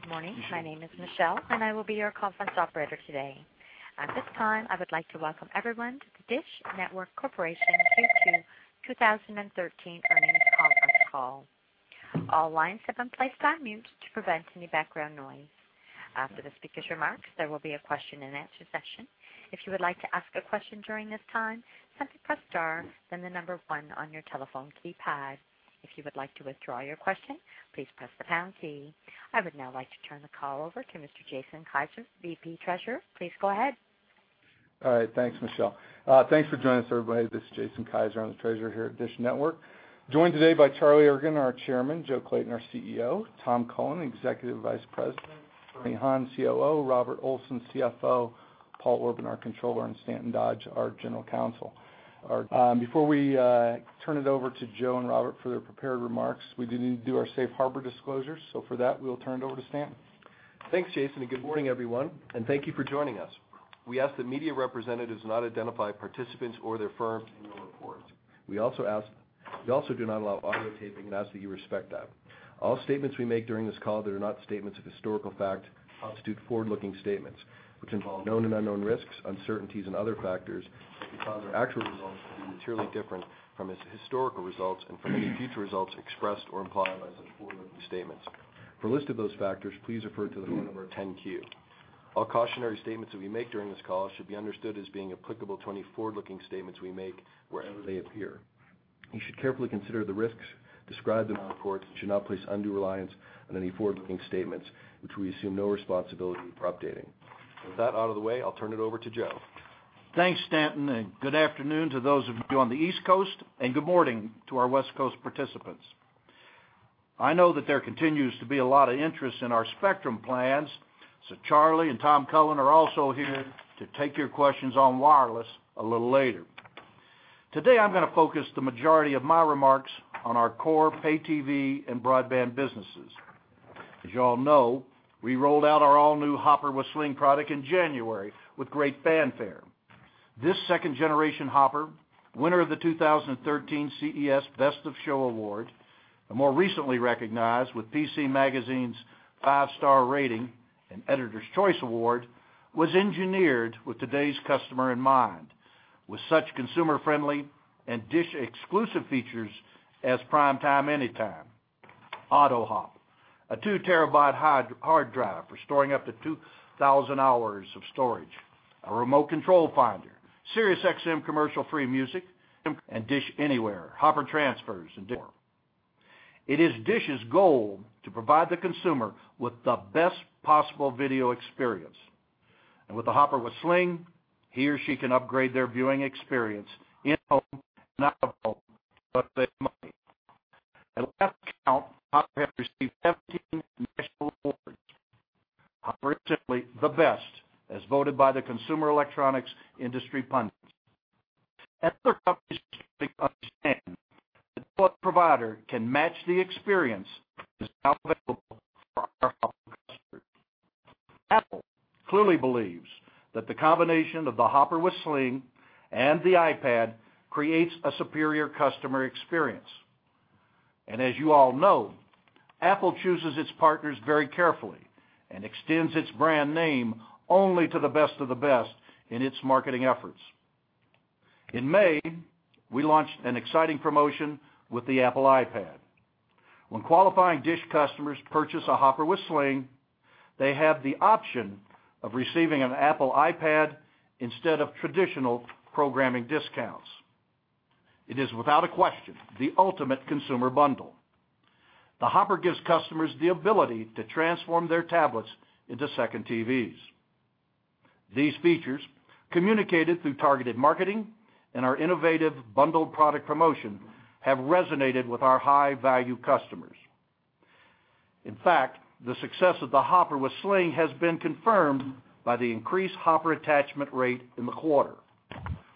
Good morning. My name is Michelle, and I will be your conference operator today. At this time, I would like to welcome everyone to the DISH Network Corporation Q2 2013 earnings conference call. All lines have been placed on mute to prevent any background noise. After the speaker's remarks, there will be a question-and-answer session. If you would like to ask a question during this time, simply press star then the number one on your telephone keypad. If you would like to withdraw your question, please press the pound key. I would now like to turn the call over to Mr. Jason Kiser, VP Treasurer. Please go ahead. All right. Thanks, Michelle. Thanks for joining us, everybody. This is Jason Kiser. I'm the Treasurer here at DISH Network. Joined today by Charlie Ergen, our Chairman, Joe Clayton, our CEO, Tom Cullen, Executive Vice President, Bernie Han, COO, Robert Olson, CFO, Paul Orban, our Controller, and Stanton Dodge, our General Counsel. Before we turn it over to Joe and Robert for their prepared remarks, we do need to do our safe harbor disclosures. For that, we'll turn it over to Stanton. Thanks, Jason. Good morning, everyone, and thank you for joining us. We ask that media representatives not identify participants or their firms in your report. We also do not allow audio taping and ask that you respect that. All statements we make during this call that are not statements of historical fact constitute forward-looking statements, which involve known and unknown risks, uncertainties and other factors that cause our actual results to be materially different from its historical results and from any future results expressed or implied by these forward-looking statements. For a list of those factors, please refer to the one of our 10-Q. All cautionary statements that we make during this call should be understood as being applicable to any forward-looking statements we make wherever they appear. You should carefully consider the risks described in our report and should not place undue reliance on any forward-looking statements, which we assume no responsibility for updating. With that out of the way, I'll turn it over to Joe. Thanks, Stanton, good afternoon to those of you on the East Coast, and good morning to our West Coast participants. I know that there continues to be a lot of interest in our spectrum plans, Charlie and Tom Cullen are also here to take your questions on wireless a little later. Today, I'm gonna focus the majority of my remarks on our core pay TV and broadband businesses. As you all know, we rolled out our all-new Hopper with Sling product in January with great fanfare. This second-generation Hopper, winner of the 2013 CES Best of Show award, and more recently recognized with PC Magazine's five-star rating and Editor's Choice award, was engineered with today's customer in mind. With such consumer-friendly and DISH exclusive features as PrimeTime Anytime, AutoHop, a two-terabyte hard drive for storing up to 2,000 hours of storage, a remote control finder, Sirius XM commercial-free music, and DISH Anywhere, Hopper transfers, and more. It is DISH's goal to provide the consumer with the best possible video experience. With the Hopper with Sling, he or she can upgrade their viewing experience in home, not at home, but save money. At last count, Hopper has received 17 national awards. Hopper is simply the best, as voted by the consumer electronics industry pundits. Other companies understand that what provider can match the experience is now available for our Hopper customers. Apple clearly believes that the combination of the Hopper with Sling and the iPad creates a superior customer experience. As you all know, Apple chooses its partners very carefully and extends its brand name only to the best of the best in its marketing efforts. In May, we launched an exciting promotion with the Apple iPad. When qualifying DISH customers purchase a Hopper with Sling, they have the option of receiving an Apple iPad instead of traditional programming discounts. It is, without a question, the ultimate consumer bundle. The Hopper gives customers the ability to transform their tablets into second TVs. These features, communicated through targeted marketing and our innovative bundled product promotion, have resonated with our high-value customers. In fact, the success of the Hopper with Sling has been confirmed by the increased Hopper attachment rate in the quarter,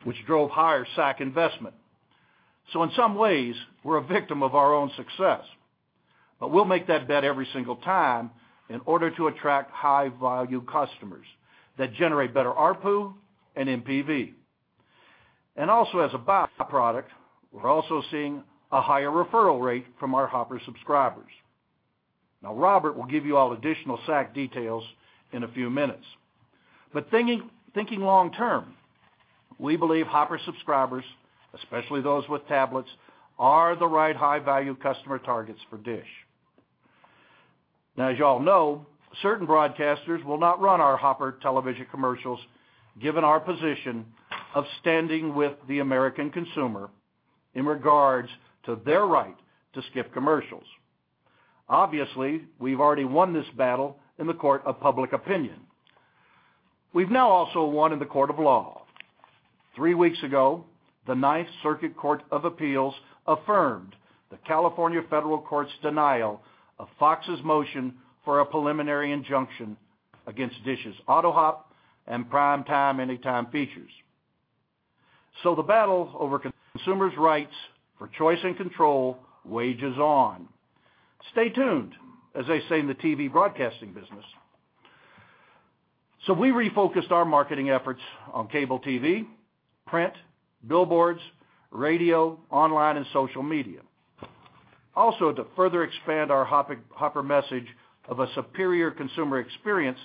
which drove higher SAC investment. In some ways, we're a victim of our own success. We'll make that bet every single time in order to attract high-value customers that generate better ARPU and NPV. Also, as a by-product, we're also seeing a higher referral rate from our Hopper subscribers. Now, Robert will give you all additional SAC details in a few minutes. Thinking long term, we believe Hopper subscribers, especially those with tablets, are the right high-value customer targets for DISH. Now, as you all know, certain broadcasters will not run our Hopper television commercials, given our position of standing with the American consumer in regards to their right to skip commercials. Obviously, we've already won this battle in the court of public opinion. We've now also won in the court of law. Three weeks ago, the Ninth Circuit Court of Appeals affirmed the California federal court's denial of Fox's motion for a preliminary injunction against DISH's AutoHop and PrimeTime Anytime features. The battle over consumers' rights for choice and control wages on. Stay tuned, as they say in the TV broadcasting business. We refocused our marketing efforts on cable TV, print, billboards, radio, online, and social media. Also, to further expand our Hopper message of a superior consumer experience,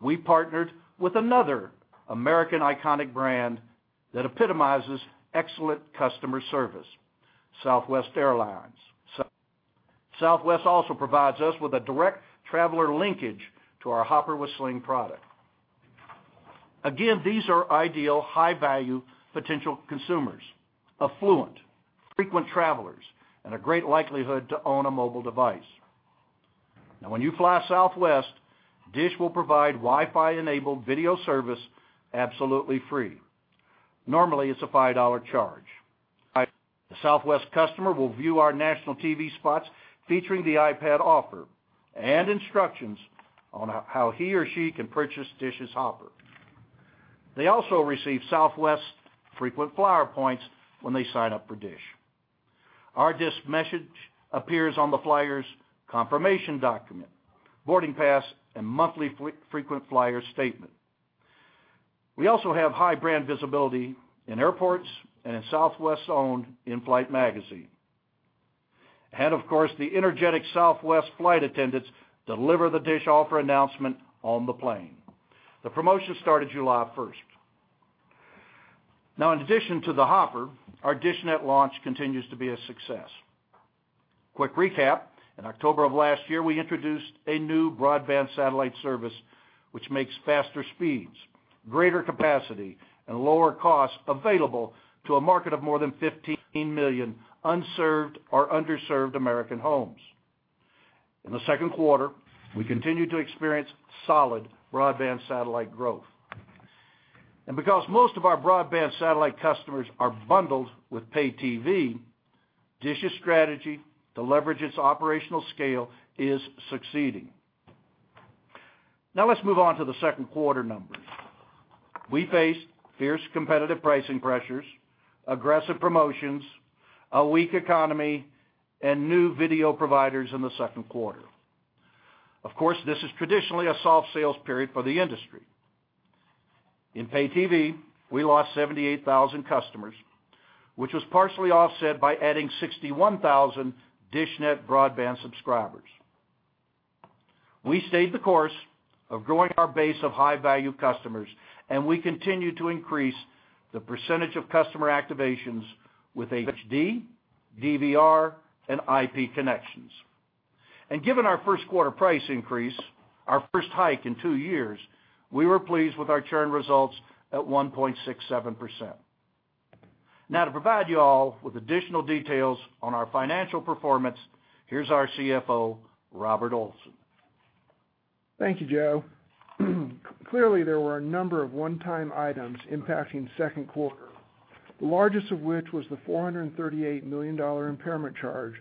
we partnered with another American iconic brand that epitomizes excellent customer service, Southwest Airlines. Southwest also provides us with a direct traveler linkage to our Hopper with Sling product. Again, these are ideal high-value potential consumers, affluent, frequent travelers, and a great likelihood to own a mobile device. Now, when you fly Southwest, DISH will provide Wi-Fi-enabled video service absolutely free. Normally, it's a $5 charge. The Southwest customer will view our national TV spots featuring the iPad offer and instructions on how he or she can purchase DISH's Hopper. They also receive Southwest's frequent flyer points when they sign up for DISH. Our DISH message appears on the flyer's confirmation document, boarding pass, and monthly frequent flyer statement. We also have high brand visibility in airports and in Southwest's own in-flight magazine. Of course, the energetic Southwest flight attendants deliver the DISH offer announcement on the plane. The promotion started July first. In addition to the Hopper, our dishNET launch continues to be a success. Quick recap, in October of last year, we introduced a new broadband satellite service which makes faster speeds, greater capacity, and lower costs available to a market of more than 15 million unserved or underserved American homes. In the second quarter, we continued to experience solid broadband satellite growth. Because most of our broadband satellite customers are bundled with pay TV, DISH's strategy to leverage its operational scale is succeeding. Let's move on to the second quarter numbers. We faced fierce competitive pricing pressures, aggressive promotions, a weak economy, and new video providers in the second quarter. This is traditionally a soft sales period for the industry. In pay TV, we lost 78,000 customers, which was partially offset by adding 61,000 dishNET broadband subscribers. We stayed the course of growing our base of high-value customers, and we continue to increase the percentage of customer activations with HD, DVR, and IP connections. Given our first quarter price increase, our first hike in two years, we were pleased with the churn results at one point six seven percent. To provide you all with additional details on our financial performance, here's our CFO, Robert Olson. Thank you, Joe. Clearly, there were a number of one-time items impacting second quarter, the largest of which was the $438 million impairment charge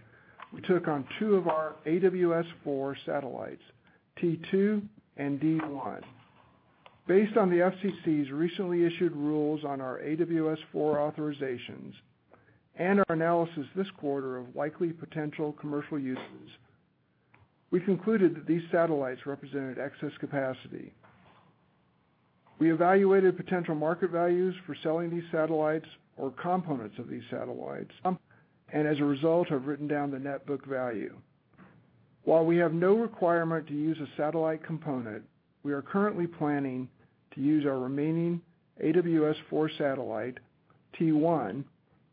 we took on two of our AWS-4 satellites, T2 and D1. Based on the FCC's recently issued rules on our AWS-4 authorizations and our analysis this quarter of likely potential commercial uses, we concluded that these satellites represented excess capacity. We evaluated potential market values for selling these satellites or components of these satellites, and as a result have written down the net book value. While we have no requirement to use a satellite component, we are currently planning to use our remaining AWS-4 satellite, T1,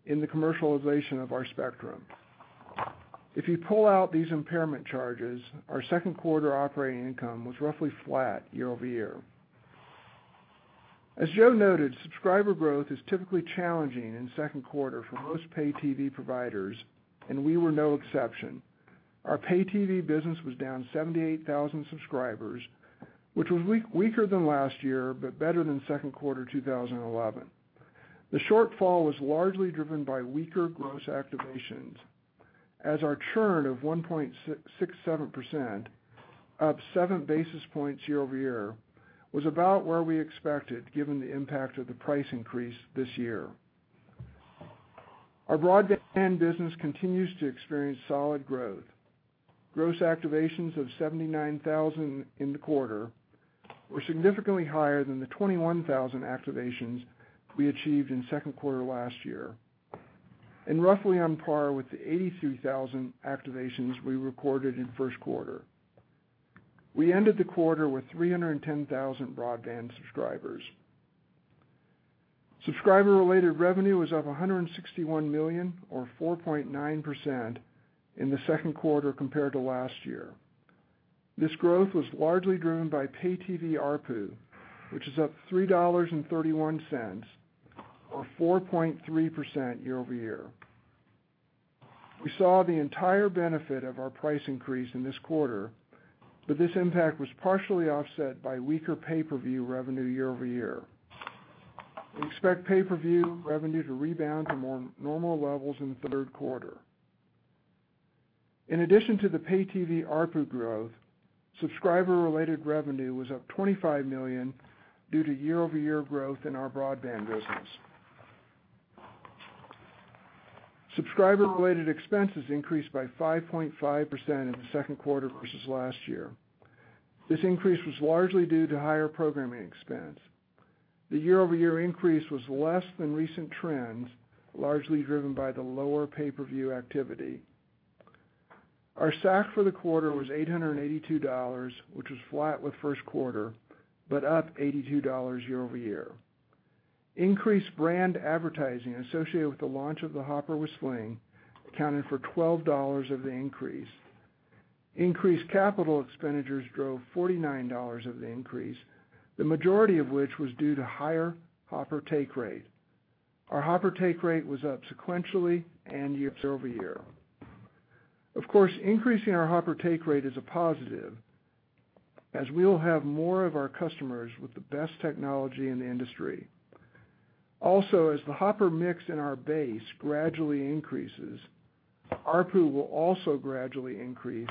in the commercialization of our spectrum. If you pull out these impairment charges, our second quarter operating income was roughly flat year-over-year. As Joe noted, subscriber growth is typically challenging in second quarter for most pay TV providers, and we were no exception. Our pay TV business was down 78,000 subscribers, which was weak, weaker than last year, but better than second quarter 2011. The shortfall was largely driven by weaker gross activations as our churn of one point six seven percent, up seven basis points year-over-year, was about where we expected, given the impact of the price increase this year. Our broadband business continues to experience solid growth. Gross activations of 79,000 in the quarter were significantly higher than the 21,000 activations we achieved in second quarter last year and roughly on par with the 82,000 activations we recorded in first quarter. We ended the quarter with 310,000 broadband subscribers. Subscriber-related revenue was up $161 million or four point nine percent in the second quarter compared to last year. This growth was largely driven by pay TV ARPU, which is up $3.31, or four point three percent year-over-year. We saw the entire benefit of our price increase in this quarter, but this impact was partially offset by weaker pay-per-view revenue year-over-year. We expect pay-per-view revenue to rebound to more normal levels in the third quarter. In addition to the pay TV ARPU growth, subscriber-related revenue was up $25 million due to year-over-year growth in our broadband business. Subscriber-related expenses increased by five point five percent in the second quarter versus last year. This increase was largely due to higher programming expense. The year-over-year increase was less than recent trends, largely driven by the lower pay-per-view activity. Our stack for the quarter was $882, which was flat with first quarter, but up $82 year-over-year. Increased brand advertising associated with the launch of the Hopper with Sling accounted for $12 of the increase. Increased capital expenditures drove $49 of the increase, the majority of which was due to higher Hopper take rate. Our Hopper take rate was up sequentially and year-over-year. Of course, increasing our Hopper take rate is a positive as we will have more of our customers with the best technology in the industry. Also, as the Hopper mix in our base gradually increases, ARPU will also gradually increase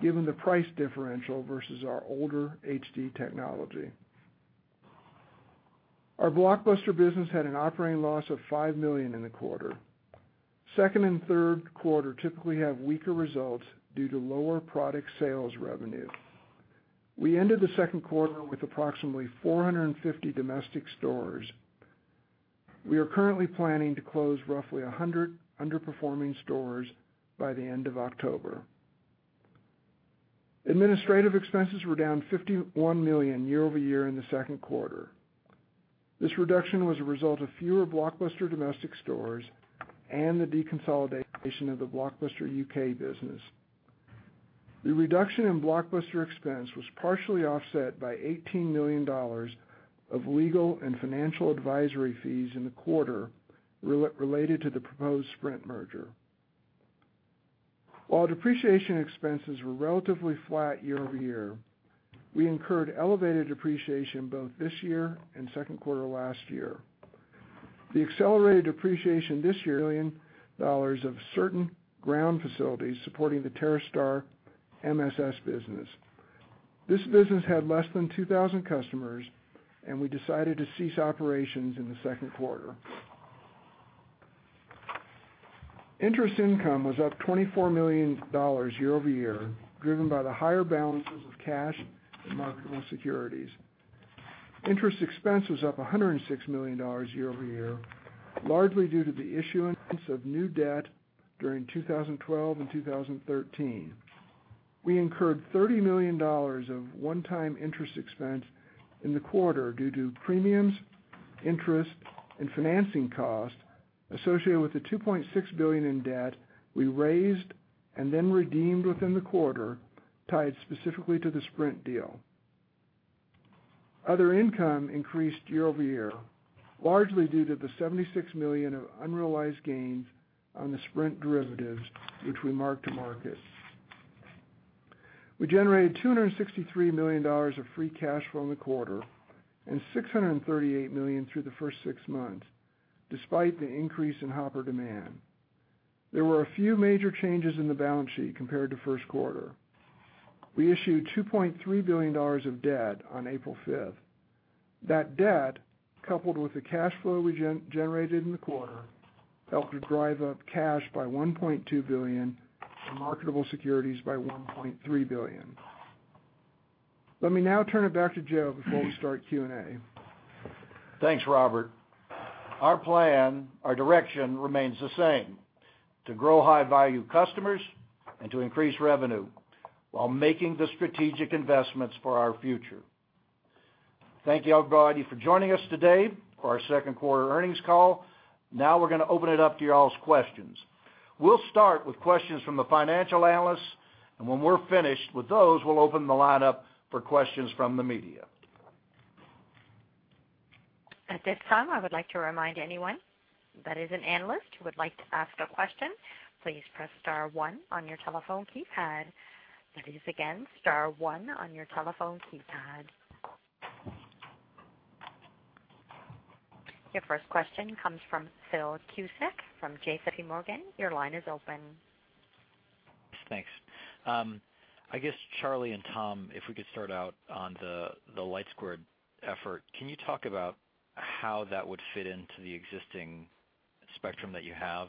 given the price differential versus our older HD technology. Our Blockbuster business had an operating loss of $5 million in the quarter. Second and third quarter typically have weaker results due to lower product sales revenue. We ended the second quarter with approximately 450 domestic stores. We are currently planning to close roughly 100 underperforming stores by the end of October. Administrative expenses were down $51 million year-over-year in the second quarter. This reduction was a result of fewer Blockbuster domestic stores and the deconsolidation of the Blockbuster UK business. The reduction in Blockbuster expense was partially offset by $18 million of legal and financial advisory fees in the quarter related to the proposed Sprint merger. While depreciation expenses were relatively flat year-over-year, we incurred elevated depreciation both this year and second quarter last year. The accelerated depreciation this year, million dollars of certain ground facilities supporting the TerreStar MSS business. This business had less than 2,000 customers, and we decided to cease operations in the second quarter. Interest income was up $24 million year-over-year, driven by the higher balances of cash and marketable securities. Interest expense was up $106 million year-over-year, largely due to the issuance of new debt during 2012 and 2013. We incurred $30 million of one-time interest expense in the quarter due to premiums, interest, and financing costs associated with the $2.6 billion in debt we raised and then redeemed within the quarter, tied specifically to the Sprint deal. Other income increased year-over-year, largely due to the $76 million of unrealized gains on the Sprint derivatives, which we marked to market. We generated $263 million of free cash flow in the quarter and $638 million through the first six months, despite the increase in Hopper demand. There were a few major changes in the balance sheet compared to first quarter. We issued $2.3 billion of debt on April fifth. That debt, coupled with the cash flow we generated in the quarter, helped to drive up cash by $1.2 billion and marketable securities by $1.3 billion. Let me now turn it back to Joe before we start Q&A. Thanks, Robert. Our plan, our direction remains the same, to grow high-value customers and to increase revenue while making the strategic investments for our future. Thank you, everybody, for joining us today for our second quarter earnings call. We're gonna open it up to y'all's questions. We'll start with questions from the financial analysts, and when we're finished with those, we'll open the lineup for questions from the media. At this time, I would like to remind anyone that is an analyst who would like to ask a question, please press star one on your telephone keypad. That is, again, star one on your telephone keypad. Your first question comes from Phil Cusick from JP Morgan. Your line is open. Thanks. I guess, Charlie and Tom, if we could start out on the LightSquared effort. Can you talk about how that would fit into the existing spectrum that you have?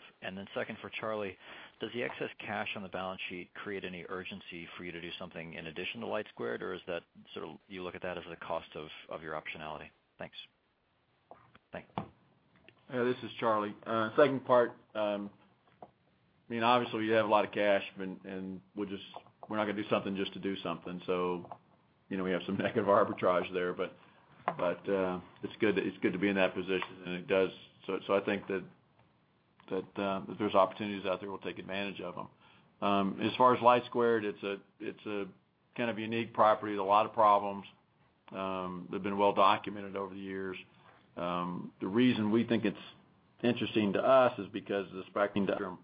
Second, for Charlie, does the excess cash on the balance sheet create any urgency for you to do something in addition to LightSquared, or is that sort of you look at that as the cost of your optionality? Thanks. Thank you. This is Charlie. Second part, I mean, obviously, we have a lot of cash, and we're not gonna do something just to do something. You know, we have some negative arbitrage there, but it's good to be in that position. I think that if there's opportunities out there, we'll take advantage of them. As far as LightSquared, it's a kind of unique property. A lot of problems that have been well documented over the years. The reason we think it's interesting to us is because the spectrum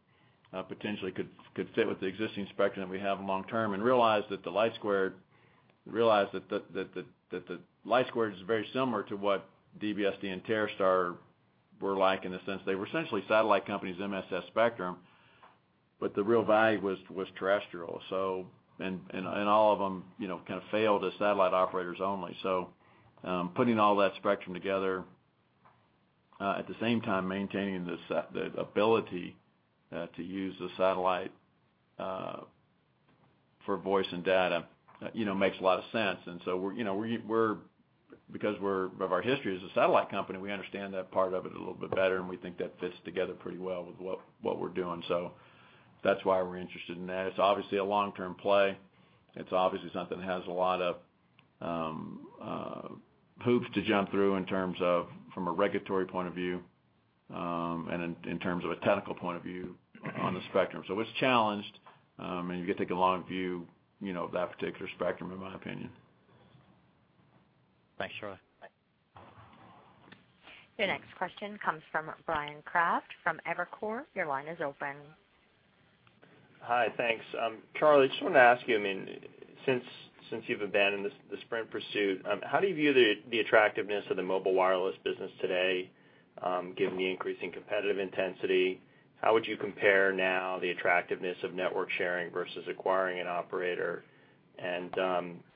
potentially could fit with the existing spectrum that we have long term and realize that the LightSquared is very similar to what DBSD and TerreStar were like in the sense they were essentially satellite companies, MSS spectrum. The real value was terrestrial. And all of them, you know, kind of failed as satellite operators only. Putting all that spectrum together, at the same time maintaining the ability to use the satellite for voice and data, you know, makes a lot of sense. We're, you know, because of our history as a satellite company, we understand that part of it a little bit better, and we think that fits together pretty well with what we're doing. That's why we're interested in that. It's obviously a long-term play. It's obviously something that has a lot of hoops to jump through in terms of from a regulatory point of view, and in terms of a technical point of view on the spectrum. It's challenged, and you gotta take a long view, you know, of that particular spectrum, in my opinion. Thanks, Charlie. Your next question comes from Bryan Kraft from Evercore. Your line is open. Hi. Thanks. Charlie, I just wanted to ask you, I mean, since you've abandoned the Sprint pursuit, how do you view the attractiveness of the mobile wireless business today, given the increasing competitive intensity? How would you compare now the attractiveness of network sharing versus acquiring an operator?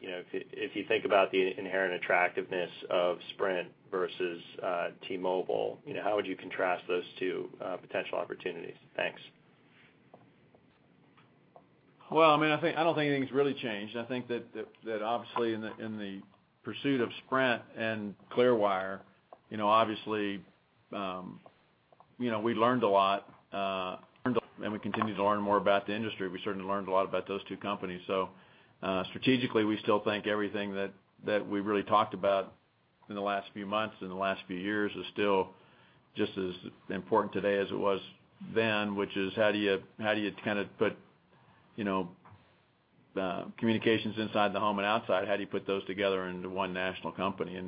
You know, if you think about the inherent attractiveness of Sprint versus T-Mobile, you know, how would you contrast those two potential opportunities? Thanks. Well, I mean, I don't think anything's really changed. I think that obviously in the pursuit of Sprint and Clearwire, you know, obviously, you know, we learned a lot, and we continue to learn more about the industry. We certainly learned a lot about those two companies. Strategically, we still think everything that we really talked about in the last few months, in the last few years is still just as important today as it was then, which is how do you, how do you kind of put, you know, communications inside the home and outside, how do you put those together into one national company?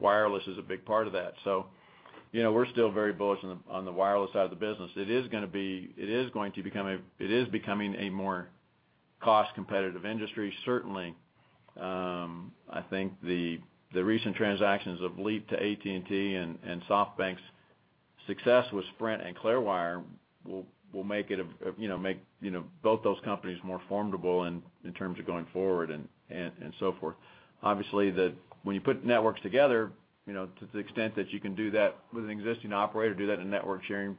Wireless is a big part of that. You know, we're still very bullish on the wireless side of the business. It is becoming a more cost competitive industry. Certainly, I think the recent transactions of Leap to AT&T and SoftBank's success with Sprint and Clearwire will make both those companies more formidable in terms of going forward and so forth. Obviously, when you put networks together, you know, to the extent that you can do that with an existing operator, do that in a network sharing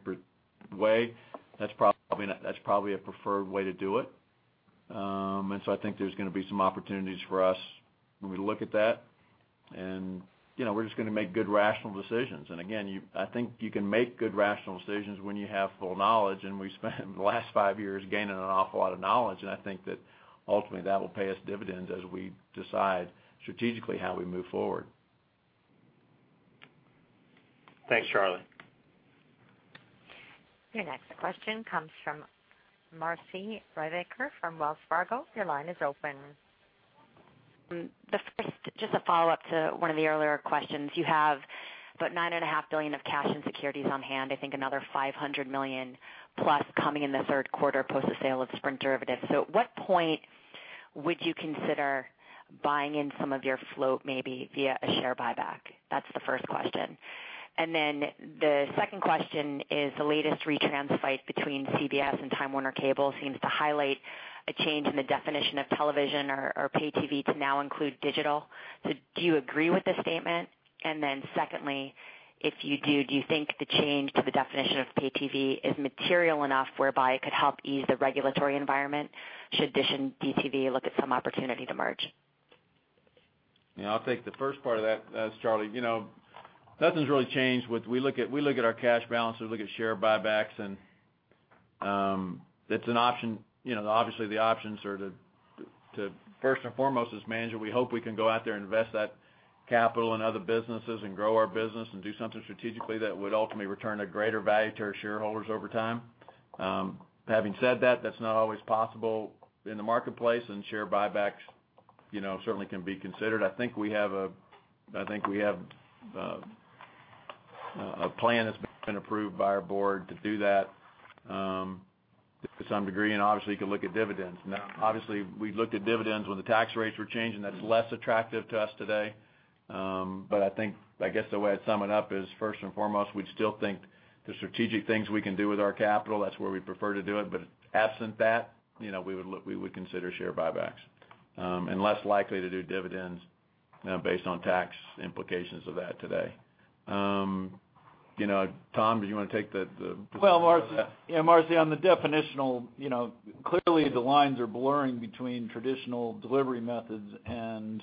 way, that's probably a preferred way to do it. I think there's gonna be some opportunities for us when we look at that. You know, we're just gonna make good rational decisions. Again, I think you can make good rational decisions when you have full knowledge, and we've spent the last five years gaining an awful lot of knowledge. I think that ultimately that will pay us dividends as we decide strategically how we move forward. Thanks, Charlie. Your next question comes from Marci Ryvicker from Wells Fargo. Your line is open. The first, just a follow-up to one of the earlier questions. You have about $ nine and a half billion of cash and securities on hand, I think another $500 million plus coming in the third quarter post the sale of Sprint derivatives. At what point would you consider buying in some of your float, maybe via a share buyback? That's the first question. The second question is, the latest retrans fight between CBS and Time Warner Cable seems to highlight a change in the definition of television or pay TV to now include digital. Do you agree with the statement? Secondly, if you do you think the change to the definition of pay TV is material enough whereby it could help ease the regulatory environment should DISH and DTV look at some opportunity to merge? Yeah, I'll take the first part of that, Charlie. You know, nothing's really changed with we look at our cash balances, we look at share buybacks, and it's an option. You know, obviously, the options are first and foremost, as management, we hope we can go out there and invest that capital in other businesses and grow our business and do something strategically that would ultimately return a greater value to our shareholders over time. Having said that's not always possible in the marketplace, and share buybacks, you know, certainly can be considered. I think we have a plan that's been approved by our board to do that to some degree, and obviously, you can look at dividends. Obviously, we looked at dividends when the tax rates were changing. That's less attractive to us today. I think, I guess the way I'd sum it up is, first and foremost, we still think the strategic things we can do with our capital, that's where we prefer to do it. Absent that, you know, we would consider share buybacks. Less likely to do dividends, based on tax implications of that today. You know, Tom, did you wanna take the perspective of that? Well, Marci, yeah, Marci, on the definitional, you know, clearly the lines are blurring between traditional delivery methods and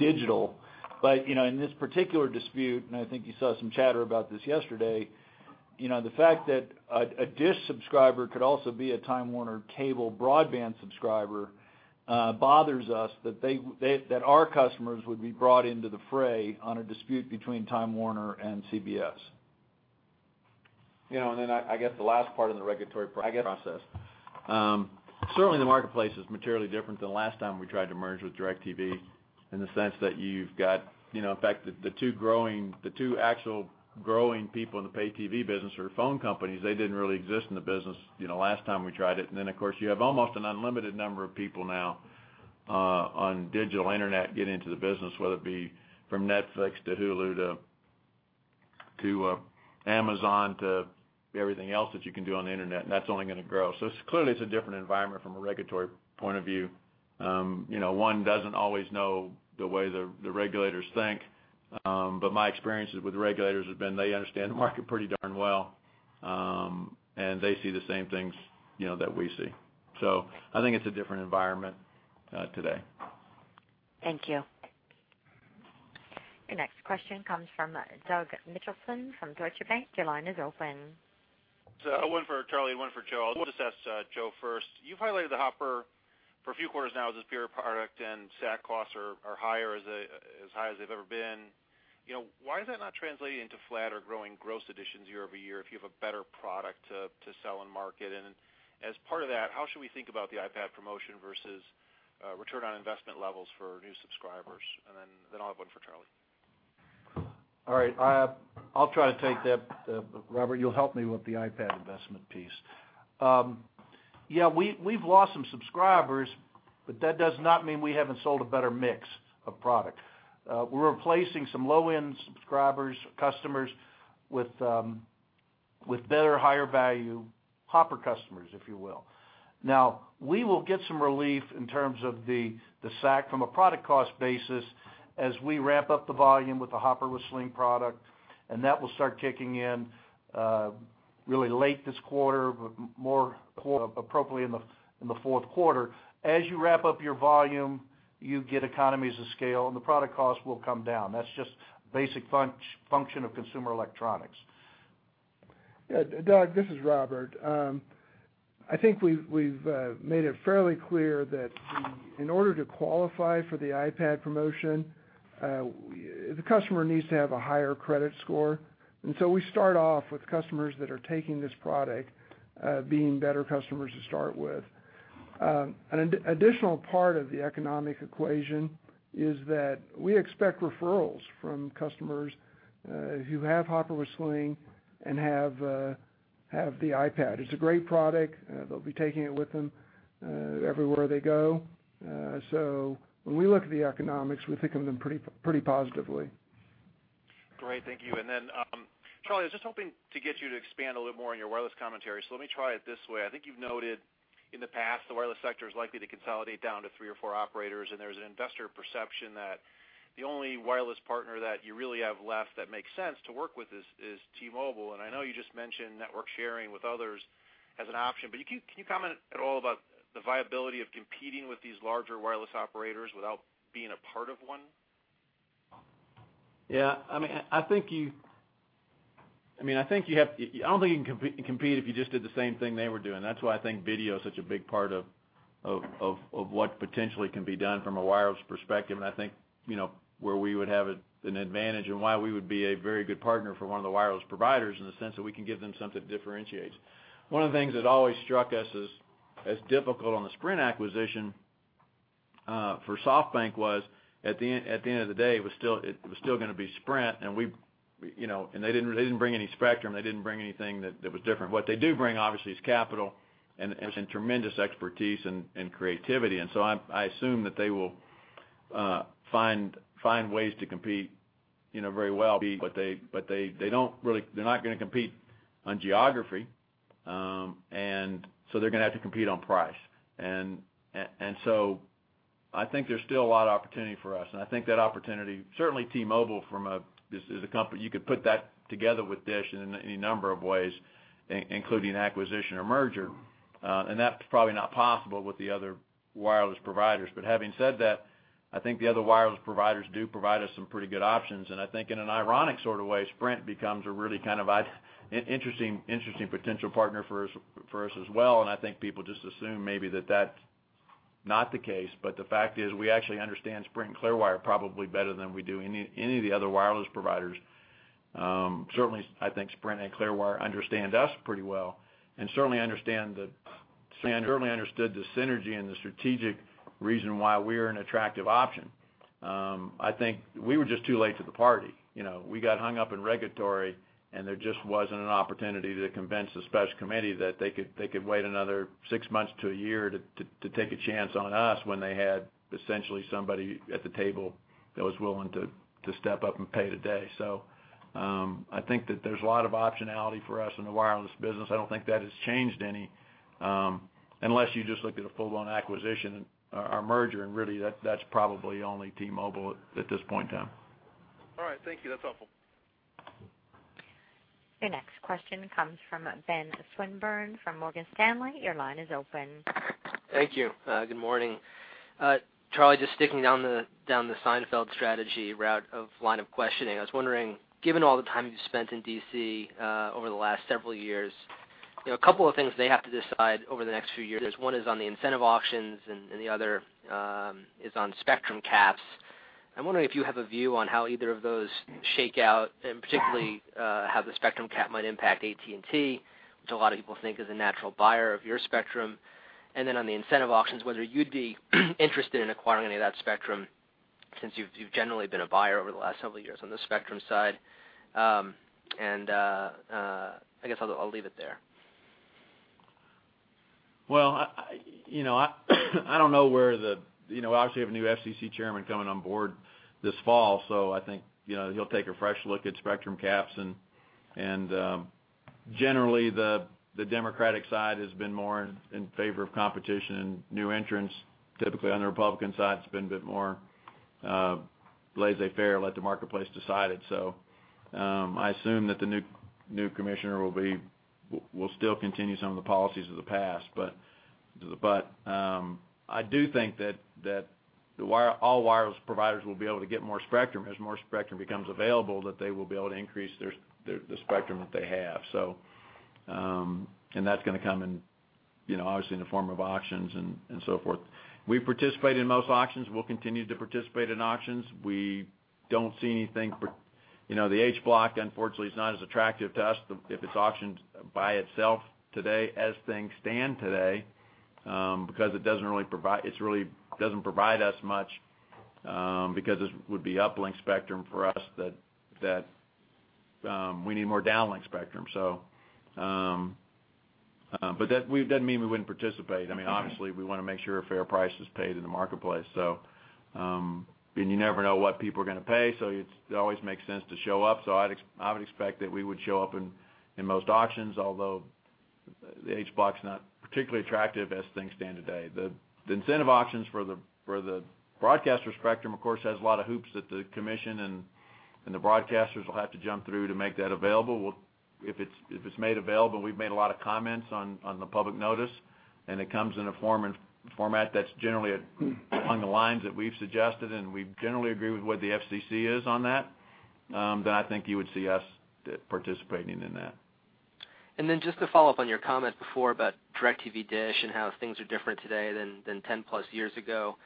digital. You know, in this particular dispute, and I think you saw some chatter about this yesterday, you know, the fact that a DISH subscriber could also be a Time Warner Cable broadband subscriber, bothers us that they, that our customers would be brought into the fray on a dispute between Time Warner and CBS. You know, I guess the last part of the regulatory process. Certainly the marketplace is materially different than the last time we tried to merge with DirecTV in the sense that you've got, you know, in fact, the two actual growing people in the pay TV business are phone companies. They didn't really exist in the business, you know, last time we tried it, of course you have almost an unlimited number of people now on digital internet getting into the business, whether it be from Netflix to Hulu to Amazon, to everything else that you can do on the internet, and that's only gonna grow. It's clearly it's a different environment from a regulatory point of view. You know, one doesn't always know the way the regulators think, but my experiences with regulators have been they understand the market pretty darn well. They see the same things, you know, that we see. I think it's a different environment today. Thank you. Your next question comes from Douglas Mitchelson from Deutsche Bank. Your line is open. One for Charlie, one for Joe. I'll just ask Joe first. You've highlighted the Hopper for a few quarters now as a superior product, and SAC costs are higher as high as they've ever been. You know, why is that not translating into flat or growing gross additions year-over-year if you have a better product to sell and market? As part of that, how should we think about the iPad promotion versus return on investment levels for new subscribers? Then I'll have one for Charlie. All right. I'll try to take that. Robert, you'll help me with the iPad investment piece. Yeah, we've lost some subscribers. That does not mean we haven't sold a better mix of product. We're replacing some low-end subscribers, customers with better, higher value Hopper customers, if you will. We will get some relief in terms of the SAC from a product cost basis as we ramp up the volume with the Hopper with Sling product. That will start kicking in really late this quarter, more appropriately in the fourth quarter. As you ramp up your volume, you get economies of scale. The product cost will come down. That's just basic function of consumer electronics. Yeah, Doug, this is Robert. I think we've made it fairly clear that in order to qualify for the iPad promotion, the customer needs to have a higher credit score. We start off with customers that are taking this product, being better customers to start with. An additional part of the economic equation is that we expect referrals from customers, who have Hopper with Sling and have the iPad. It's a great product. They'll be taking it with them everywhere they go. When we look at the economics, we think of them pretty positively. Great. Thank you. Charlie, I was just hoping to get you to expand a little more on your wireless commentary, so let me try it this way. I think you've noted in the past, the wireless sector is likely to consolidate down to three or four operators, and there's an investor perception that the only wireless partner that you really have left that makes sense to work with is T-Mobile. I know you just mentioned network sharing with others as an option, but can you comment at all about the viability of competing with these larger wireless operators without being a part of one? Yeah. I mean, I think you have. I don't think you can compete if you just did the same thing they were doing. That's why I think video is such a big part of what potentially can be done from a wireless perspective. I think, you know, where we would have an advantage and why we would be a very good partner for one of the wireless providers in the sense that we can give them something that differentiates. One of the things that always struck us as difficult on the Sprint acquisition for SoftBank was at the end of the day, it was still gonna be Sprint, and we, you know, and they didn't bring any spectrum, they didn't bring anything that was different. What they do bring, obviously, is capital and some tremendous expertise and creativity. I assume that they will find ways to compete, you know, very well. They're not gonna compete on geography. They're gonna have to compete on price. I think there's still a lot of opportunity for us, and I think that opportunity, certainly T-Mobile from a this is a company, you could put that together with DISH in any number of ways, including acquisition or merger. That's probably not possible with the other wireless providers. Having said that, I think the other wireless providers do provide us some pretty good options. I think in an ironic sort of way, Sprint becomes a really kind of an interesting potential partner for us as well, and I think people just assume maybe that that's not the case. The fact is we actually understand Sprint and Clearwire probably better than we do any of the other wireless providers. Certainly, I think Sprint and Clearwire understand us pretty well, and certainly understood the synergy and the strategic reason why we're an attractive option. I think we were just too late to the party. You know, we got hung up in regulatory, and there just wasn't an opportunity to convince the special committee that they could wait another six months to a year to take a chance on us when they had essentially somebody at the table that was willing to step up and pay today. I think that there's a lot of optionality for us in the wireless business. I don't think that has changed any, unless you just looked at a full-blown acquisition or merger, and really that's probably only T-Mobile at this point in time. All right. Thank you. That's helpful. Your next question comes from Benjamin Swinburne from Morgan Stanley. Your line is open. Thank you. Good morning. Charlie, just sticking down the Seinfeld strategy route of line of questioning. I was wondering, given all the time you've spent in D.C., over the last several years, you know, a couple of things they have to decide over the next few years. One is on the incentive auctions and the other is on spectrum caps. I'm wondering if you have a view on how either of those shake out and particularly, how the spectrum cap might impact AT&T, which a lot of people think is a natural buyer of your spectrum. On the incentive auctions, whether you'd be interested in acquiring any of that spectrum since you've generally been a buyer over the last several years on the spectrum side. I guess I'll leave it there. Well, I, you know, I don't know where the, you know, obviously, we have a new FCC Chairman coming on board this fall, so I think, you know, he'll take a fresh look at spectrum caps. Generally, the Democratic side has been more in favor of competition and new entrants. Typically, on the Republican side, it's been a bit more laissez-faire, let the marketplace decide it. I assume that the new commissioner will still continue some of the policies of the past. I do think that all wireless providers will be able to get more spectrum. As more spectrum becomes available, they will be able to increase their the spectrum that they have. That's gonna come in obviously in the form of auctions and so forth. We participate in most auctions. We'll continue to participate in auctions. We don't see anything per. You know, the H Block unfortunately is not as attractive to us if it's auctioned by itself today as things stand today, because it really doesn't provide us much, because it would be uplink spectrum for us that we need more downlink spectrum. That doesn't mean we wouldn't participate. Obviously, we wanna make sure a fair price is paid in the marketplace. You never know what people are gonna pay, so it always makes sense to show up. I would expect that we would show up in most auctions, although the H Block's not particularly attractive as things stand today. The incentive auctions for the broadcasters' spectrum, of course, has a lot of hoops that the commission and the broadcasters will have to jump through to make that available. If it's made available, we've made a lot of comments on the public notice, and it comes in a form and format that's generally along the lines that we've suggested, and we generally agree with where the FCC is on that, then I think you would see us participating in that. Just to follow up on your comment before about DirecTV, DISH, and how things are different today than 10-plus years ago,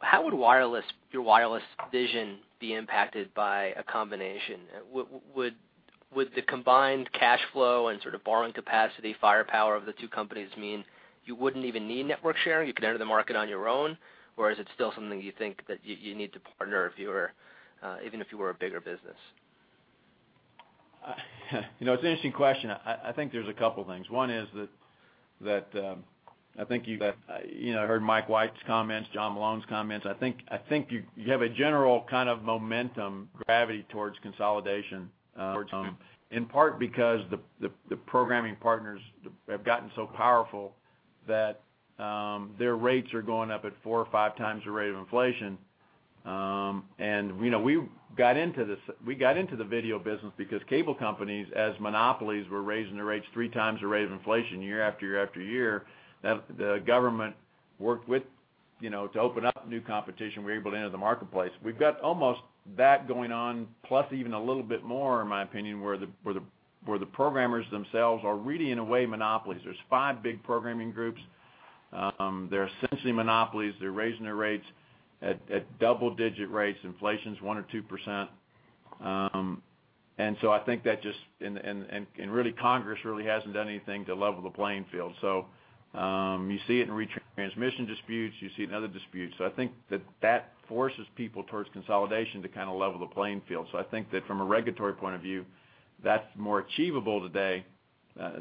how would wireless, your wireless vision be impacted by a combination? Would the combined cash flow and sort of borrowing capacity firepower of the two companies mean you wouldn't even need network sharing, you could enter the market on your own? Or is it still something you think that you need to partner if you were even if you were a bigger business? You know, it's an interesting question. I think there's a couple things. One is that I think you've, you know, heard Mike White's comments, John Malone's comments. I think you have a general kind of momentum gravity towards consolidation, towards home, in part because the programming partners have gotten so powerful that their rates are going up at four or five times the rate of inflation. You know, we got into the video business because cable companies, as monopolies, were raising their rates three times the rate of inflation year after year after year. That the government worked with, you know, to open up new competition. We were able to enter the marketplace. We've got almost that going on, plus even a little bit more, in my opinion, where the programmers themselves are really, in a way, monopolies. There's five big programming groups. They're essentially monopolies. They're raising their rates at double digit rates. Inflation's one or two percent. I think that just Congress really hasn't done anything to level the playing field. You see it in retransmission disputes, you see it in other disputes. I think that forces people towards consolidation to kind of level the playing field. I think that from a regulatory point of view, that's more achievable today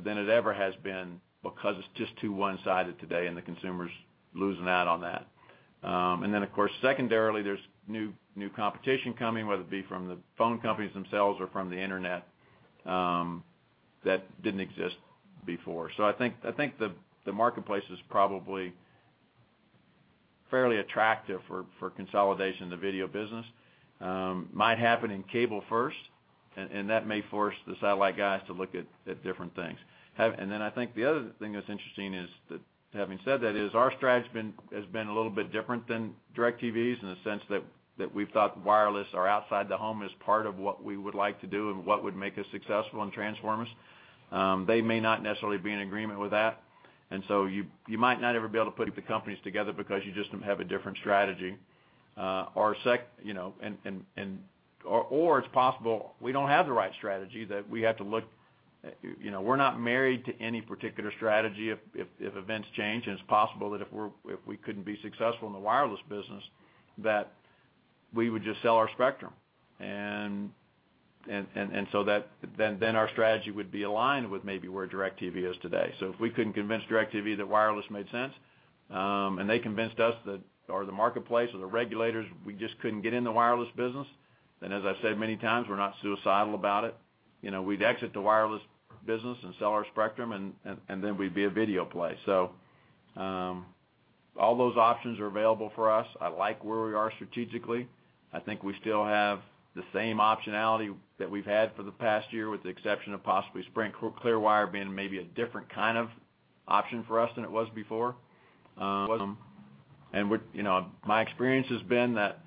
than it ever has been because it's just too one-sided today, and the consumer's losing out on that. Of course, secondarily, there's new competition coming, whether it be from the phone companies themselves or from the internet, that didn't exist before. I think the marketplace is probably fairly attractive for consolidation in the video business. Might happen in cable first, and that may force the satellite guys to look at different things. I think the other thing that's interesting is that, having said that, our strategy has been a little bit different than DirecTV's in the sense that we've thought wireless or outside the home as part of what we would like to do and what would make us successful and transform us. They may not necessarily be in agreement with that. You might not ever be able to put the companies together because you just don't have a different strategy. You know, it's possible we don't have the right strategy, that we have to look, you know, we're not married to any particular strategy if events change. It's possible that if we couldn't be successful in the wireless business, that we would just sell our spectrum. Our strategy would be aligned with maybe where DirecTV is today. If we couldn't convince DirecTV that wireless made sense, and they convinced us that, or the marketplace or the regulators, we just couldn't get in the wireless business, then as I've said many times, we're not suicidal about it. You know, we'd exit the wireless business and sell our spectrum, and then we'd be a video play. All those options are available for us. I like where we are strategically. I think we still have the same optionality that we've had for the past year, with the exception of possibly Sprint. Clearwire being maybe a different kind of option for us than it was before. You know, my experience has been that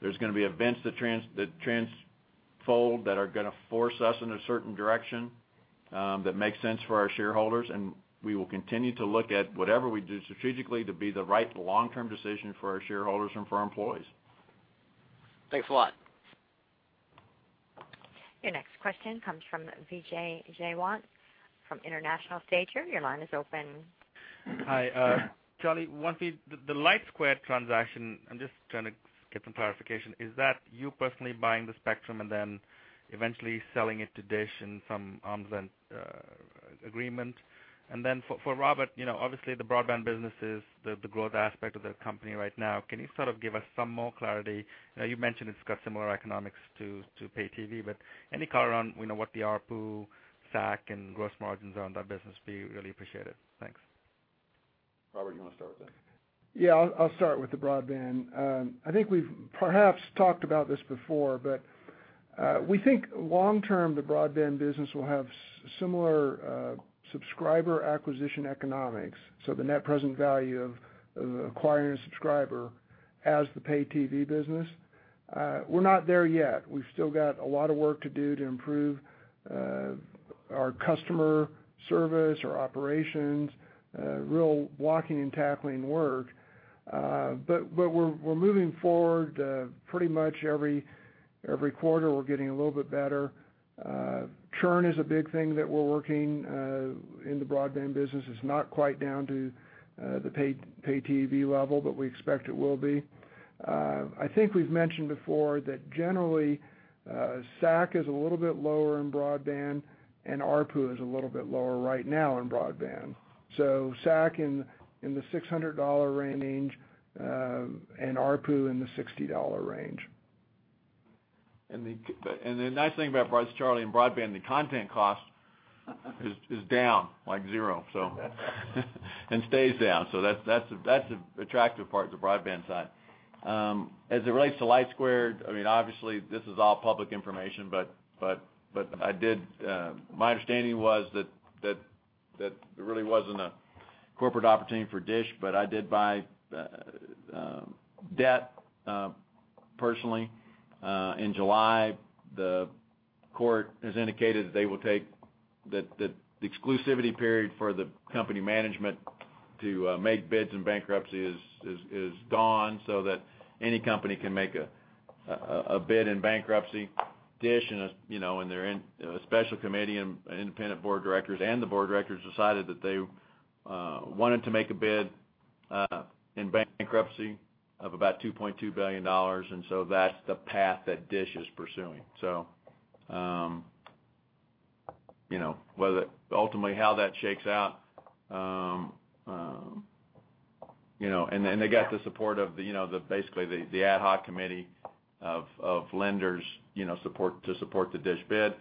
there's gonna be events that unfold that are gonna force us in a certain direction, that makes sense for our shareholders, and we will continue to look at whatever we do strategically to be the right long-term decision for our shareholders and for our employees. Thanks a lot. Your next question comes from Vijay Jayant from International Strategy & Investment Group. Your line is open. Charlie, one thing, the LightSquared transaction, I'm just trying to get some clarification. Is that you personally buying the spectrum and then eventually selling it to DISH in some arms-length agreement? For Robert, you know, obviously, the broadband business is the growth aspect of the company right now. Can you sort of give us some more clarity? I know you mentioned it's got similar economics to pay TV, but any color on, you know, what the ARPU, SAC, and gross margins are on that business be really appreciated. Thanks. Robert, you wanna start with that? Yeah, I'll start with the broadband. I think we've perhaps talked about this before, we think long term, the broadband business will have similar subscriber acquisition economics, so the net present value of acquiring a subscriber as the pay TV business. We're not there yet. We've still got a lot of work to do to improve our customer service, our operations, real walking and tackling work. We're moving forward. Pretty much every quarter, we're getting a little bit better. Churn is a big thing that we're working in the broadband business. It's not quite down to the pay TV level, but we expect it will be. I think we've mentioned before that generally, SAC is a little bit lower in broadband, and ARPU is a little bit lower right now in broadband. SAC in the $600 range, and ARPU in the $60 range. The nice thing about Charlie Ergen and broadband, the content cost is down, like zero. Stays down, that's an attractive part to the broadband side. As it relates to LightSquared, I mean, obviously this is all public information, but I did My understanding was that there really wasn't a corporate opportunity for DISH, but I did buy debt personally in July. The court has indicated that they will take the exclusivity period for the company management to make bids in bankruptcy is gone, so that any company can make a bid in bankruptcy. DISH, you know, they're in a special committee and independent board of directors, the board of directors decided that they wanted to make a bid in bankruptcy of about $2.2 billion. That's the path that DISH is pursuing. You know whether ultimately how that shakes out, you know they got the support of the ad hoc committee of lenders, you know, to support the DISH bid.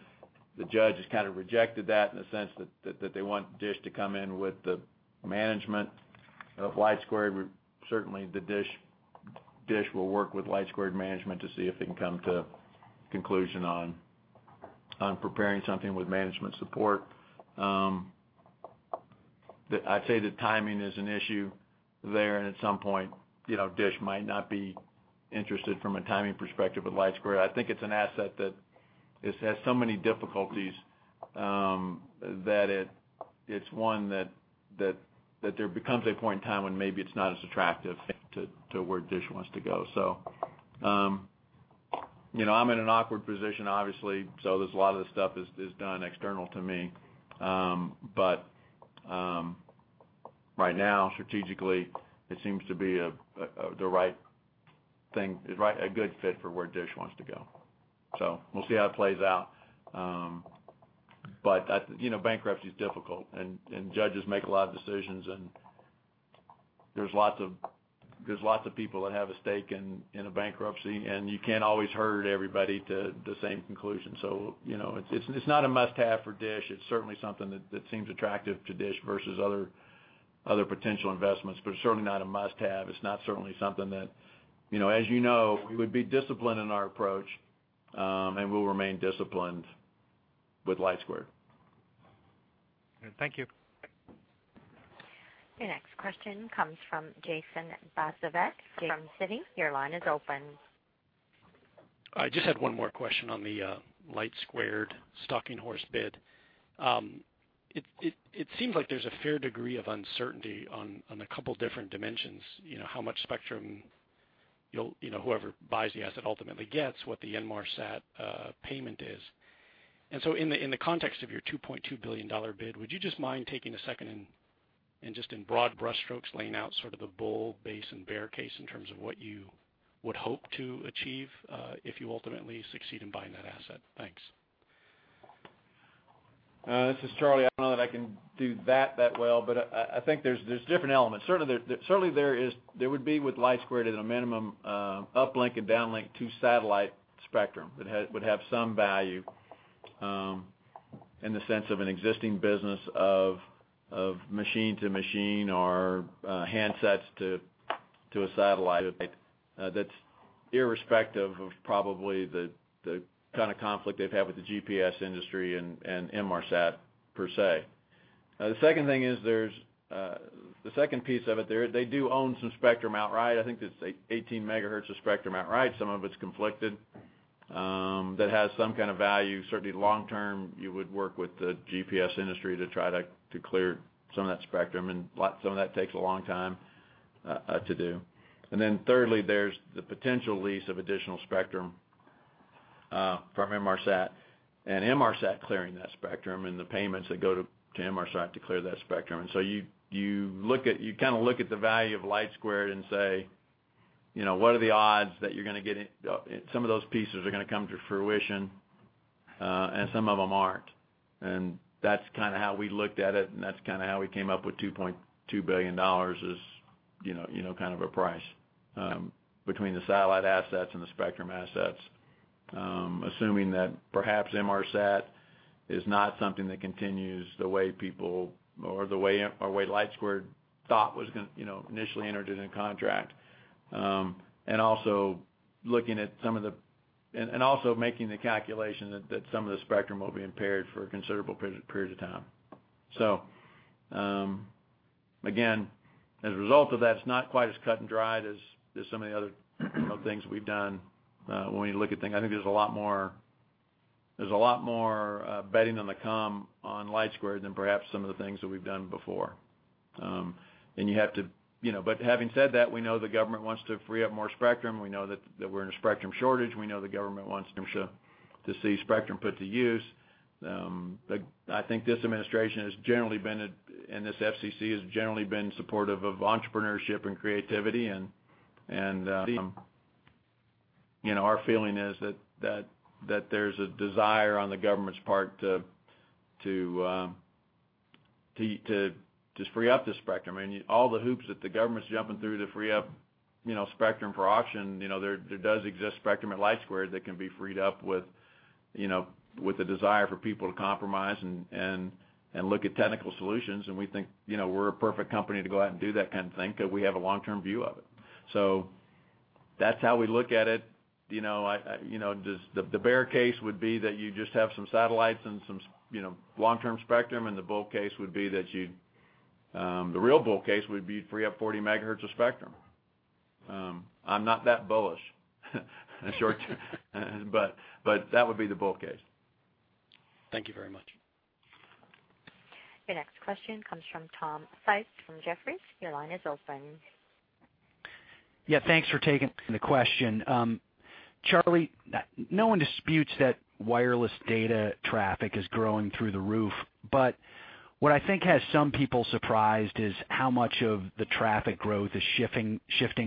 The judge has kind of rejected that in the sense that they want DISH to come in with the management of LightSquared. Certainly the DISH will work with LightSquared management to see if they can come to conclusion on preparing something with management support. I'd say the timing is an issue there, and at some point, you know, DISH might not be interested from a timing perspective with LightSquared. I think it's an asset that it has so many difficulties, that it's one that there becomes a point in time when maybe it's not as attractive to where DISH wants to go. You know, I'm in an awkward position, obviously, so there's a lot of the stuff is done external to me. Right now, strategically, it seems to be a good fit for where DISH wants to go. We'll see how it plays out. I, you know, bankruptcy is difficult and judges make a lot of decisions, and there's lots of people that have a stake in a bankruptcy, and you can't always herd everybody to the same conclusion. You know, it's not a must-have for DISH. It's certainly something that seems attractive to DISH versus other potential investments, but it's certainly not a must-have. It's not certainly something that, you know, as you know, we would be disciplined in our approach, and we'll remain disciplined with LightSquared. Thank you. Your next question comes from Jason Bazinet from Citi. Your line is open. I just had one more question on the LightSquared stalking horse bid. It seems like there's a fair degree of uncertainty on a couple different dimensions. You know, how much spectrum you'll, whoever buys the asset ultimately gets, what the Inmarsat payment is. In the context of your $2.2 billion bid, would you just mind taking a second and just in broad brush strokes, laying out sort of the bull, base, and bear case in terms of what you would hope to achieve if you ultimately succeed in buying that asset? Thanks. This is Charlie. I don't know that I can do that that well, but I think there's different elements. Certainly there would be with LightSquared at a minimum, uplink and downlink to satellite spectrum that would have some value in the sense of an existing business of machine to machine or handsets to a satellite. That's irrespective of probably the kind of conflict they've had with the GPS industry and Inmarsat per se. The second thing is the second piece of it, they do own some spectrum outright. I think it's 18 megahertz of spectrum outright. Some of it's conflicted, that has some kind of value. Certainly long term, you would work with the GPS industry to try to clear some of that spectrum and some of that takes a long time to do. Thirdly, there's the potential lease of additional spectrum from Inmarsat and Inmarsat clearing that spectrum and the payments that go to Inmarsat to clear that spectrum. You look at, you kind of look at the value of LightSquared and say, you know, what are the odds that you're gonna get it, some of those pieces are gonna come to fruition and some of them aren't. That's kinda how we looked at it, and that's kinda how we came up with $2.2 billion as, you know, kind of a price between the satellite assets and the spectrum assets. Assuming that perhaps Inmarsat is not something that continues the way people or the way LightSquared thought was you know, initially entered in a contract. Also making the calculation that some of the spectrum will be impaired for a considerable period of time. Again, as a result of that, it's not quite as cut and dried as some of the other things we've done when we look at things. I think there's a lot more betting on the come on LightSquared than perhaps some of the things that we've done before. You know, having said that, we know the government wants to free up more spectrum. We know that we're in a spectrum shortage. We know the government wants them to see spectrum put to use. I think this administration has generally been and this FCC has generally been supportive of entrepreneurship and creativity and, you know, our feeling is that, that there's a desire on the government's part to free up the spectrum. All the hoops that the government's jumping through to free up, you know, spectrum for auction, you know, there does exist spectrum at LightSquared that can be freed up with, you know, the desire for people to compromise and look at technical solutions. We think, you know, we're a perfect company to go out and do that kind of thing 'cause we have a long-term view of it. That's how we look at it. You know, the bear case would be that you just have some satellites and some you know, long-term spectrum. The bull case would be that you, the real bull case would be free up 40 megahertz of spectrum. I'm not that bullish, in short term. That would be the bull case. Thank you very much. Your next question comes from Thomas Eagan from Jefferies. Your line is open. Yeah. Thanks for taking the question. Charlie, no one disputes that wireless data traffic is growing through the roof. What I think has some people surprised is how much of the traffic growth is shifting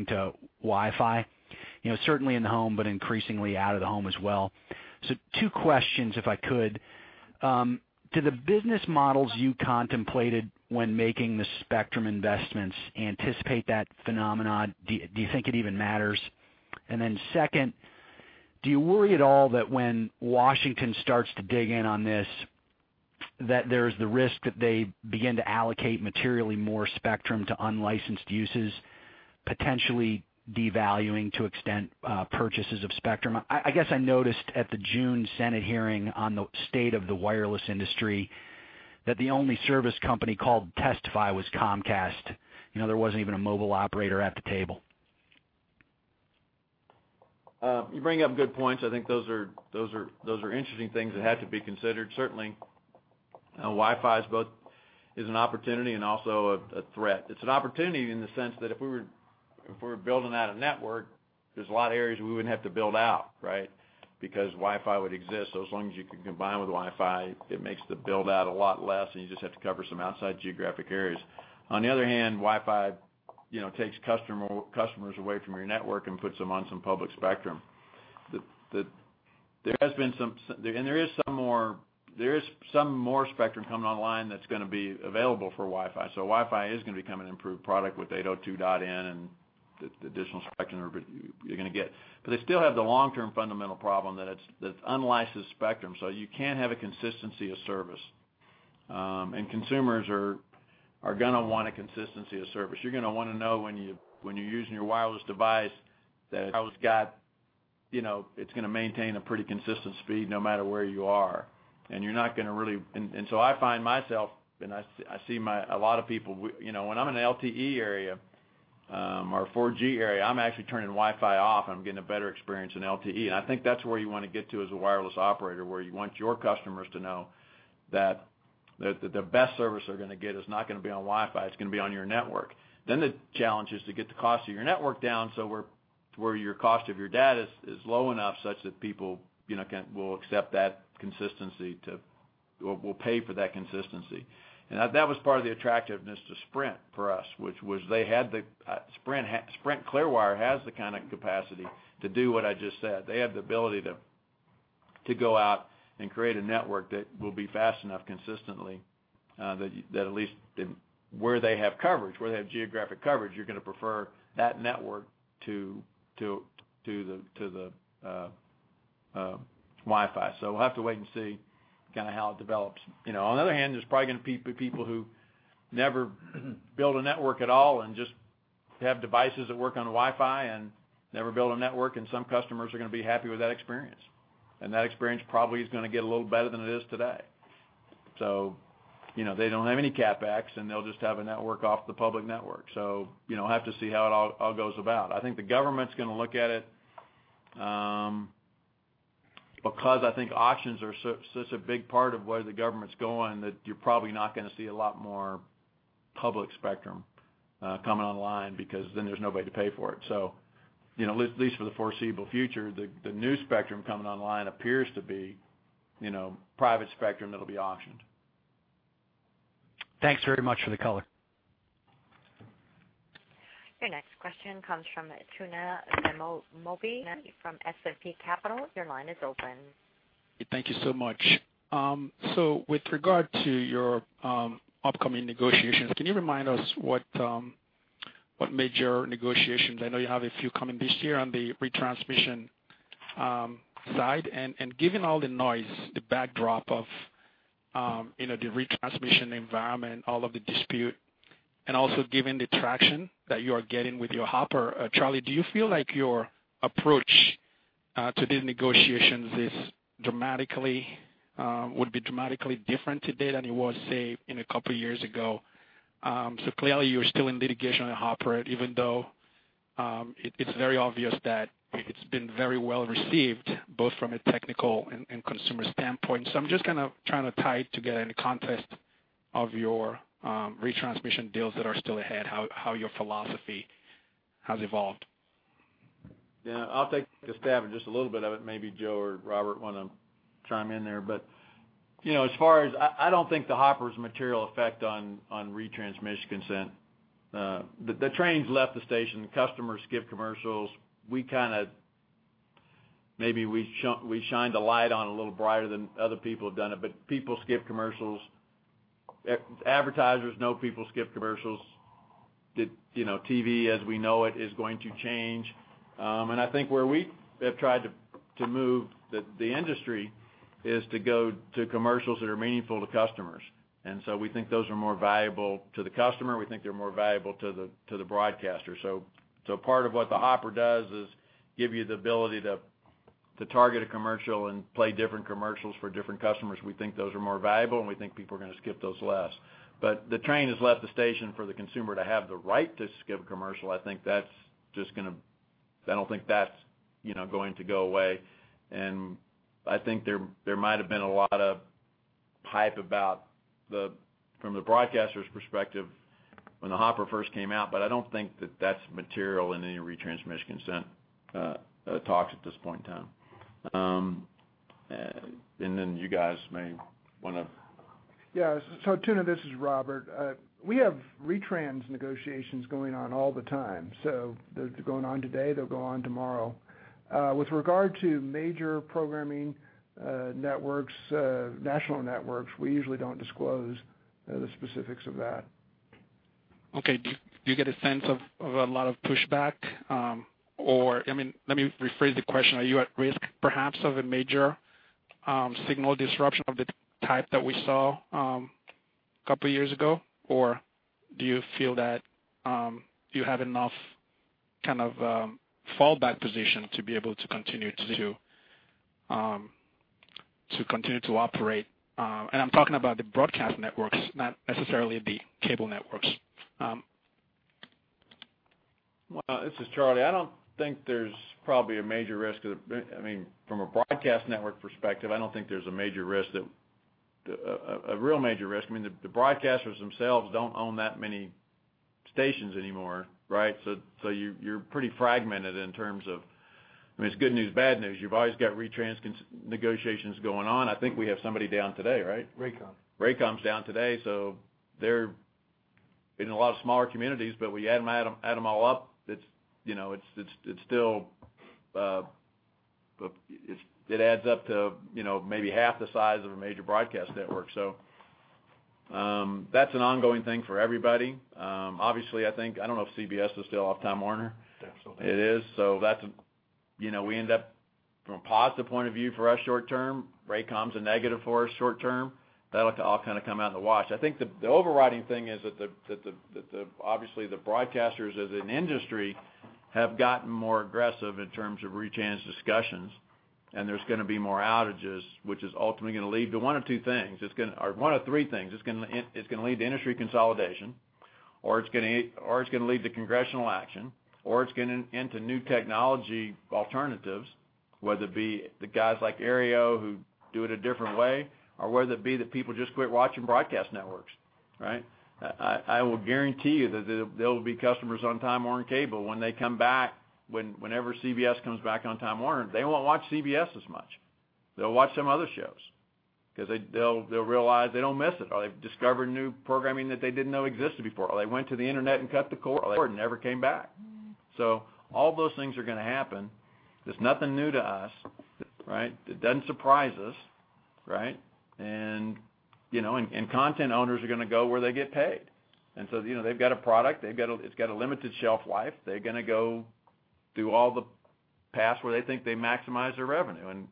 to Wi-Fi. You know, certainly in the home, but increasingly out of the home as well. Two questions, if I could. Do the business models you contemplated when making the spectrum investments anticipate that phenomenon? Do you think it even matters? Then second, do you worry at all that when Washington starts to dig in on this, that there's the risk that they begin to allocate materially more spectrum to unlicensed uses, potentially devaluing to extent purchases of spectrum? I guess I noticed at the June Senate hearing on the state of the wireless industry that the only service company called to testify was Comcast. You know, there wasn't even a mobile operator at the table. You bring up good points. I think those are interesting things that have to be considered. Certainly, Wi-Fi is an opportunity and also a threat. It's an opportunity in the sense that if we were building out a network, there's a lot of areas we wouldn't have to build out, right? Because Wi-Fi would exist. As long as you can combine with Wi-Fi, it makes the build out a lot less, and you just have to cover some outside geographic areas. On the other hand, Wi-Fi, you know, takes customers away from your network and puts them on some public spectrum. There has been some and there is some more spectrum coming online that's gonna be available for Wi-Fi. Wi-Fi is gonna become an improved product with 802.11n and the additional spectrum you're gonna get. They still have the long-term fundamental problem that it's unlicensed spectrum, so you can't have a consistency of service. Consumers are gonna want a consistency of service. You're gonna wanna know when you're using your wireless device that it's always got, you know, it's gonna maintain a pretty consistent speed no matter where you are. I find myself, and a lot of people, you know, when I'm in an LTE area, or a 4G area, I'm actually turning Wi-Fi off, and I'm getting a better experience in LTE. I think that's where you wanna get to as a wireless operator, where you want your customers to know that the best service they're gonna get is not gonna be on Wi-Fi, it's gonna be on your network. The challenge is to get the cost of your network down, so where your cost of your data is low enough such that people, you know, will accept that consistency will pay for that consistency. That was part of the attractiveness to Sprint for us, which was they had the Sprint Clearwire has the kind of capacity to do what I just said. They have the ability to go out and create a network that will be fast enough consistently, that at least in where they have coverage, where they have geographic coverage, you're gonna prefer that network to the Wi-Fi. We'll have to wait and see kinda how it develops. You know, on the other hand, there's probably gonna be people who never build a network at all and just have devices that work on Wi-Fi and never build a network, and some customers are gonna be happy with that experience. That experience probably is gonna get a little better than it is today. You know, they don't have any CapEx, and they'll just have a network off the public network. You know, I have to see how it all goes about. I think the government's gonna look at it, because I think auctions are such a big part of where the government's going, that you're probably not gonna see a lot more public spectrum coming online because then there's nobody to pay for it. You know, at least for the foreseeable future, the new spectrum coming online appears to be, you know, private spectrum that'll be auctioned. Thanks very much for the color. Your next question comes from Tuna Amobi from S&P Capital. Your line is open. Thank you so much. With regard to your upcoming negotiations, can you remind us what major negotiations I know you have a few coming this year on the retransmission side? Given all the noise, the backdrop of, you know, the retransmission environment, all of the dispute, and also given the traction that you are getting with your Hopper, Charlie, do you feel like your approach to these negotiations is dramatically would be dramatically different today than it was, say, in a couple years ago? Clearly, you're still in litigation on Hopper, even though it's very obvious that it's been very well received, both from a technical and consumer standpoint. I'm just kind of trying to tie it together in the context of your retransmission deals that are still ahead, how your philosophy has evolved. Yeah. I'll take a stab at just a little bit of it, maybe Joe or Robert wanna chime in there. I don't think the Hopper's material effect on retransmission consent. The train's left the station. The customers skip commercials. We kinda Maybe we shined a light on it a little brighter than other people have done it, but people skip commercials. Advertisers know people skip commercials. The, you know, TV as we know it is going to change. I think where we have tried to move the industry is to go to commercials that are meaningful to customers. So we think those are more valuable to the customer. We think they're more valuable to the broadcasters. Part of what the Hopper does is give you the ability to target a commercial and play different commercials for different customers. We think those are more valuable, and we think people are gonna skip those less. The train has left the station for the consumer to have the right to skip a commercial. I think that's just, you know, going to go away. I think there might have been a lot of hype about the, from the broadcaster's perspective when the Hopper first came out, but I don't think that that's material in any retransmission consent talks at this point in time. Yeah. Tuna, this is Robert. We have retrans negotiations going on all the time. They're going on today, they'll go on tomorrow. With regard to major programming, networks, national networks, we usually don't disclose the specifics of that. Okay. Do you get a sense of a lot of pushback, or I mean, let me rephrase the question. Are you at risk perhaps of a major signal disruption of the type that we saw, couple years ago? Or do you feel that you have enough kind of fallback position to be able to continue to operate? I'm talking about the broadcast networks, not necessarily the cable networks. Well, this is Charlie. I don't think there's probably a major risk of, I mean, from a broadcast network perspective, I don't think there's a major risk that a real major risk. I mean, the broadcasters themselves don't own that many stations anymore, right? you're pretty fragmented in terms of, I mean, it's good news, bad news. You've always got retrans negotiations going on. I think we have somebody down today, right? Raycom. Raycom's down today. They're in a lot of smaller communities, when you add 'em all up, it's, you know, it's still. It adds up to, you know, maybe half the size of a major broadcast network. Obviously, I think, I don't know if CBS is still off Time Warner. Absolutely. It is. That's, you know, we end up from a positive point of view for us short term. Raycom Media's a negative for us short term. That'll all kind of come out in the wash. I think the overriding thing is that the, obviously, the broadcasters as an industry have gotten more aggressive in terms of retrans discussions, and there's gonna be more outages, which is ultimately gonna lead to one of two things. Or one of three things. It's gonna lead to industry consolidation, or it's gonna lead to congressional action, or it's gonna into new technology alternatives, whether it be the guys like Aereo, who do it a different way, or whether it be that people just quit watching broadcast networks, right? I will guarantee you that there will be customers on Time Warner Cable, whenever CBS comes back on Time Warner, they won't watch CBS as much. They'll watch some other shows 'cause they'll realize they don't miss it, or they've discovered new programming that they didn't know existed before, or they went to the internet and cut the cord and never came back. All those things are gonna happen. It's nothing new to us, right? It doesn't surprise us, right? You know, content owners are gonna go where they get paid. You know, they've got a product, it's got a limited shelf life. They're gonna go through all the paths where they think they maximize their revenue.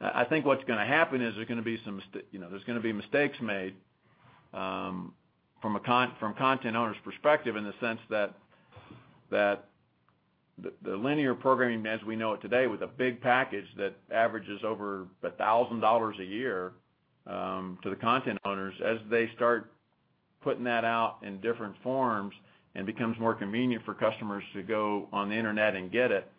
I think what's gonna happen is there's gonna be some, you know, there's gonna be mistakes made from content owners' perspective in the sense that the linear programming as we know it today with a big package that averages over $1,000 a year to the content owners, as they start putting that out in different forms and becomes more convenient for customers to go on the internet and get it.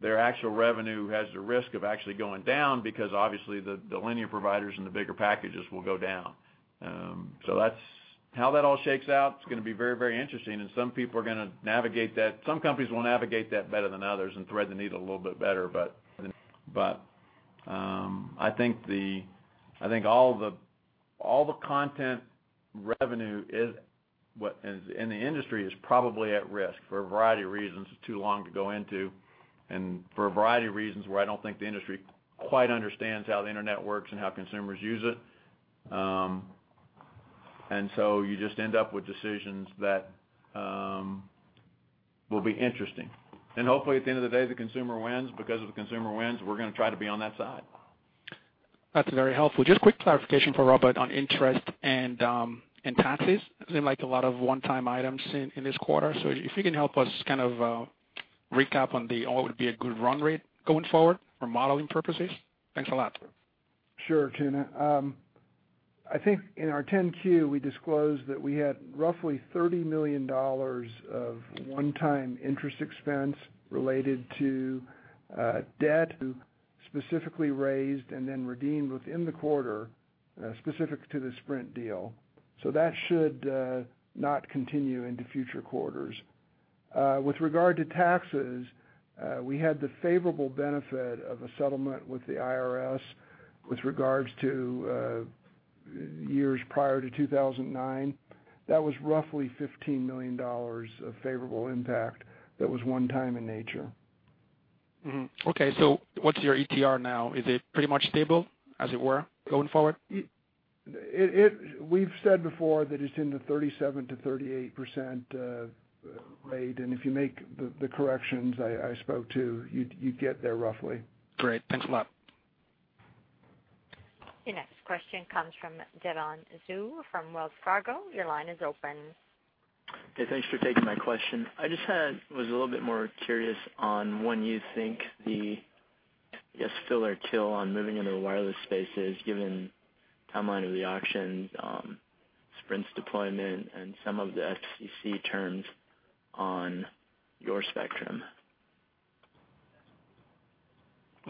Their actual revenue has the risk of actually going down because obviously the linear providers and the bigger packages will go down. That's how that all shakes out, it's gonna be very, very interesting, and some people are gonna navigate that, some companies will navigate that better than others and thread the needle a little bit better. I think all the, all the content revenue what is in the industry is probably at risk for a variety of reasons. It's too long to go into. For a variety of reasons where I don't think the industry quite understands how the internet works and how consumers use it. You just end up with decisions that will be interesting. Hopefully, at the end of the day, the consumer wins because if the consumer wins, we're gonna try to be on that side. That's very helpful. Just quick clarification for Robert on interest and taxes. Seemed like a lot of one-time items in this quarter. If you can help us kind of, recap or would be a good run rate going forward for modeling purposes. Thanks a lot. Sure, Tuna. I think in our 10-Q, we disclosed that we had roughly $30 million of one-time interest expense related to debt specifically raised and then redeemed within the quarter, specific to the Sprint deal. That should not continue into future quarters. With regard to taxes, we had the favorable benefit of a settlement with the IRS with regards to years prior to 2009. That was roughly $15 million of favorable impact. That was one time in nature. Okay. What's your ETR now? Is it pretty much stable as it were going forward? It we've said before that it's in the 37%-38% rate. If you make the corrections I spoke to, you'd get there roughly. Great. Thanks a lot. Your next question comes from Devon Zhou from Wells Fargo. Your line is open. Okay. Thanks for taking my question. I was a little bit more curious on when you think the, I guess, fill or kill on moving into the wireless space is given timeline of the auctions, Sprint's deployment and some of the FCC terms on your spectrum.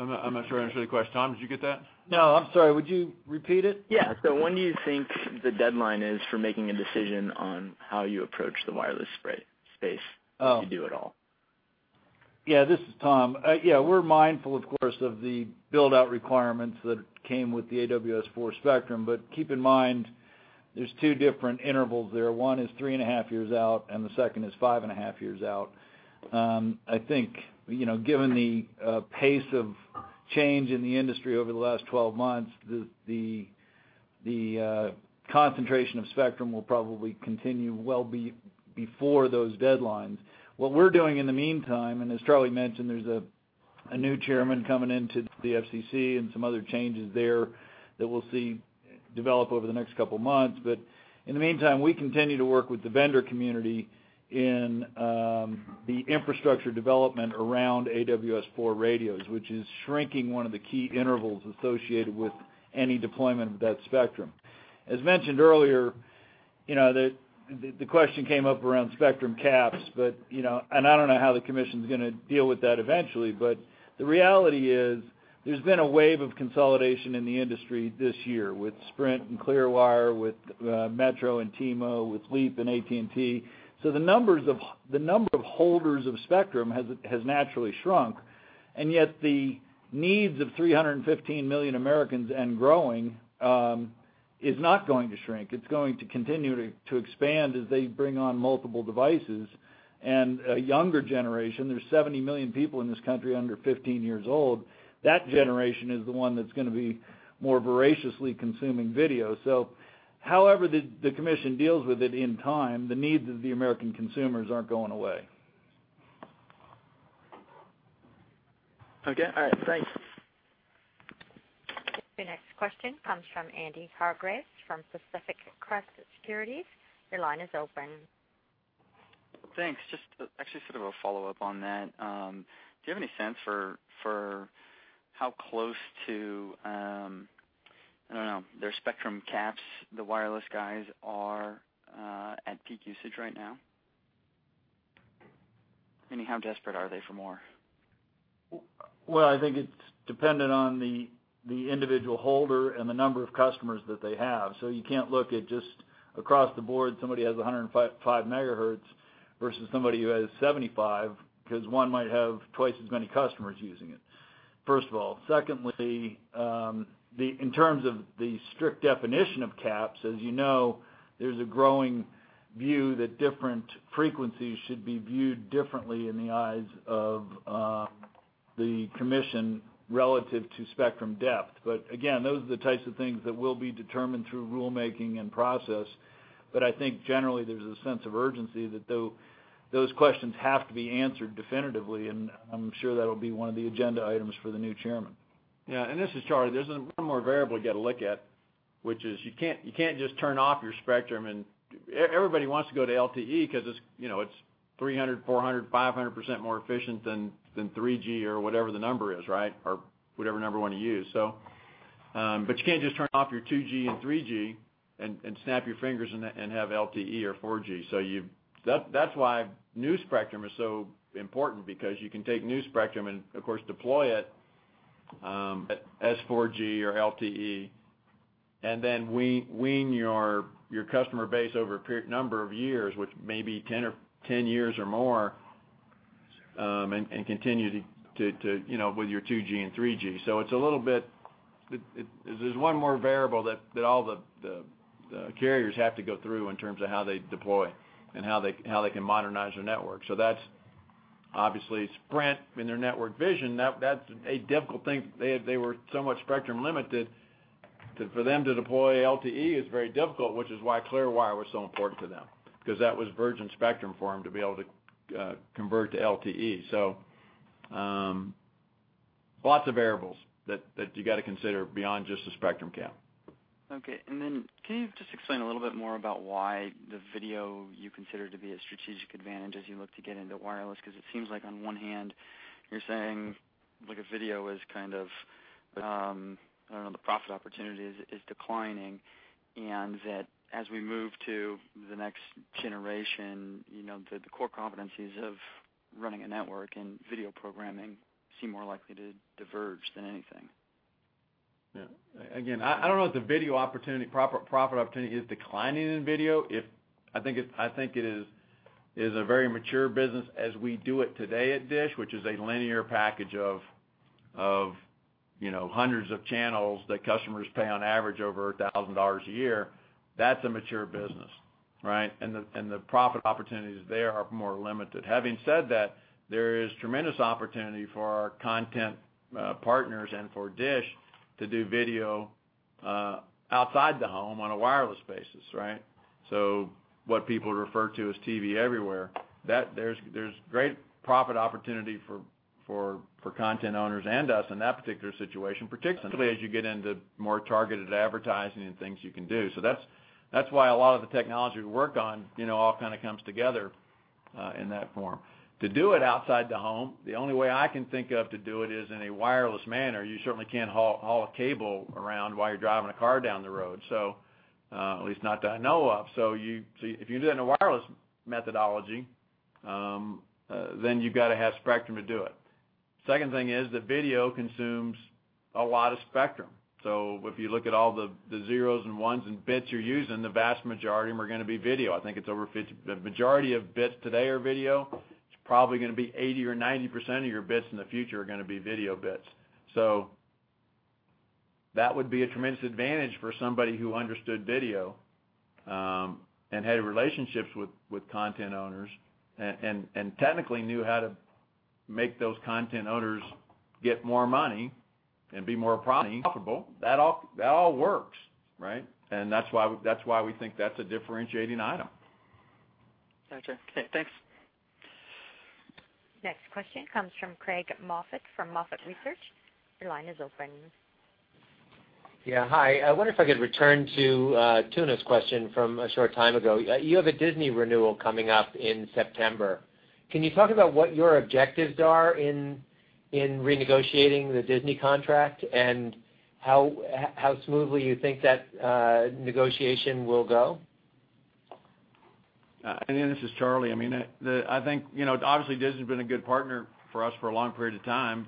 I'm not sure I understood the question. Tom, did you get that? No, I'm sorry. Would you repeat it? Yeah. When do you think the deadline is for making a decision on how you approach the wireless space? Oh. if you do at all? This is Tom. We're mindful, of course, of the build-out requirements that came with the AWS-4 spectrum. Keep in mind, there's two different intervals there. One is three and a half years out, and the second is five and a half years out. I think, you know, given the pace of change in the industry over the last 12 months, the concentration of spectrum will probably continue well before those deadlines. What we're doing in the meantime, as Charlie mentioned, there's a new chairman coming into the FCC and some other changes there that we'll see develop over the next couple of months. In the meantime, we continue to work with the vendor community in the infrastructure development around AWS-4 radios, which is shrinking one of the key intervals associated with any deployment of that spectrum. As mentioned earlier, you know, the question came up around spectrum caps, but, you know, and I don't know how the commission's gonna deal with that eventually. The reality is there's been a wave of consolidation in the industry this year with Sprint and Clearwire, with Metro and T-Mo, with Leap and AT&T. The number of holders of spectrum has naturally shrunk, and yet the needs of 315 million Americans and growing is not going to shrink. It's going to continue to expand as they bring on multiple devices. A younger generation, there's 70 million people in this country under 15 years old. That generation is the one that's gonna be more voraciously consuming video. However the Commission deals with it in time, the needs of the American consumers aren't going away. Okay. All right. Thanks. Your next question comes from Andy Hargreaves from Pacific Crest Securities. Your line is open. Thanks. Just actually sort of a follow-up on that. Do you have any sense for how close to, I don't know, their spectrum caps the wireless guys are at peak usage right now? I mean, how desperate are they for more? Well, I think it's dependent on the individual holder and the number of customers that they have. You can't look at just across the board, somebody has 105.5 megahertz versus somebody who has 75, 'cause one might have twice as many customers using it, first of all. Secondly, in terms of the strict definition of caps, as you know, there's a growing view that different frequencies should be viewed differently in the eyes of the Commission relative to spectrum depth. Again, those are the types of things that will be determined through rulemaking and process. I think generally there's a sense of urgency that those questions have to be answered definitively, and I'm sure that'll be one of the agenda items for the new chairman. Yeah, this is Charlie. There's one more variable to get a look at, which is you can't just turn off your spectrum and everybody wants to go to LTE 'cause it's, you know, it's 300%, 400%, 500% more efficient than 3G or whatever the number is, right? Or whatever number you wanna use. You can't just turn off your 2G and 3G and snap your fingers and have LTE or 4G. That's why new spectrum is so important because you can take new spectrum and of course deploy it as 4G or LTE, and then wean your customer base over a number of years, which may be 10 years or more, and continue to, you know, with your 2G and 3G. There's one more variable that all the carriers have to go through in terms of how they deploy and how they can modernize their network. That's obviously Sprint in their network vision, that's a difficult thing. They were so much spectrum limited that for them to deploy LTE is very difficult, which is why Clearwire was so important to them because that was virgin spectrum for them to be able to convert to LTE. Lots of variables that you got to consider beyond just the spectrum count. Okay. Can you just explain a little bit more about why the video you consider to be a strategic advantage as you look to get into wireless? 'Cause it seems like on one hand you're saying like a video is kind of, I don't know, the profit opportunity is declining, and that as we move to the next generation, you know, the core competencies of running a network and video programming seem more likely to diverge than anything. Again, I don't know if the video opportunity, profit opportunity is declining in video. I think it is a very mature business as we do it today at DISH, which is a linear package of, you know, hundreds of channels that customers pay on average over $1,000 a year. That's a mature business, right? The profit opportunities there are more limited. Having said that, there is tremendous opportunity for our content partners and for DISH to do video outside the home on a wireless basis, right? What people refer to as TV everywhere, there's great profit opportunity for content owners and us in that particular situation, particularly as you get into more targeted advertising and things you can do. That's why a lot of the technology we work on, you know, all kind of comes together in that form. To do it outside the home, the only way I can think of to do it is in a wireless manner. You certainly can't haul a cable around while you're driving a car down the road, at least not that I know of. If you do it in a wireless methodology, then you've got to have spectrum to do it. Second thing is that video consumes a lot of spectrum. If you look at all the zeros and ones and bits you're using, the vast majority of them are gonna be video. I think it's over 50, the majority of bits today are video. It's probably gonna be 80% or 90% of your bits in the future are gonna be video bits. That would be a tremendous advantage for somebody who understood video and had relationships with content owners and technically knew how to make those content owners get more money and be more profitable. That all works, right? That's why we think that's a differentiating item. Gotcha. Thanks. Next question comes from Craig Moffett from MoffettNathanson. Your line is open. Hi. I wonder if I could return to Tuna's question from a short time ago. You have a Disney renewal coming up in September. Can you talk about what your objectives are in renegotiating the Disney contract and how smoothly you think that negotiation will go? This is Charlie. I mean, I think, you know, obviously Disney's been a good partner for us for a long period of time,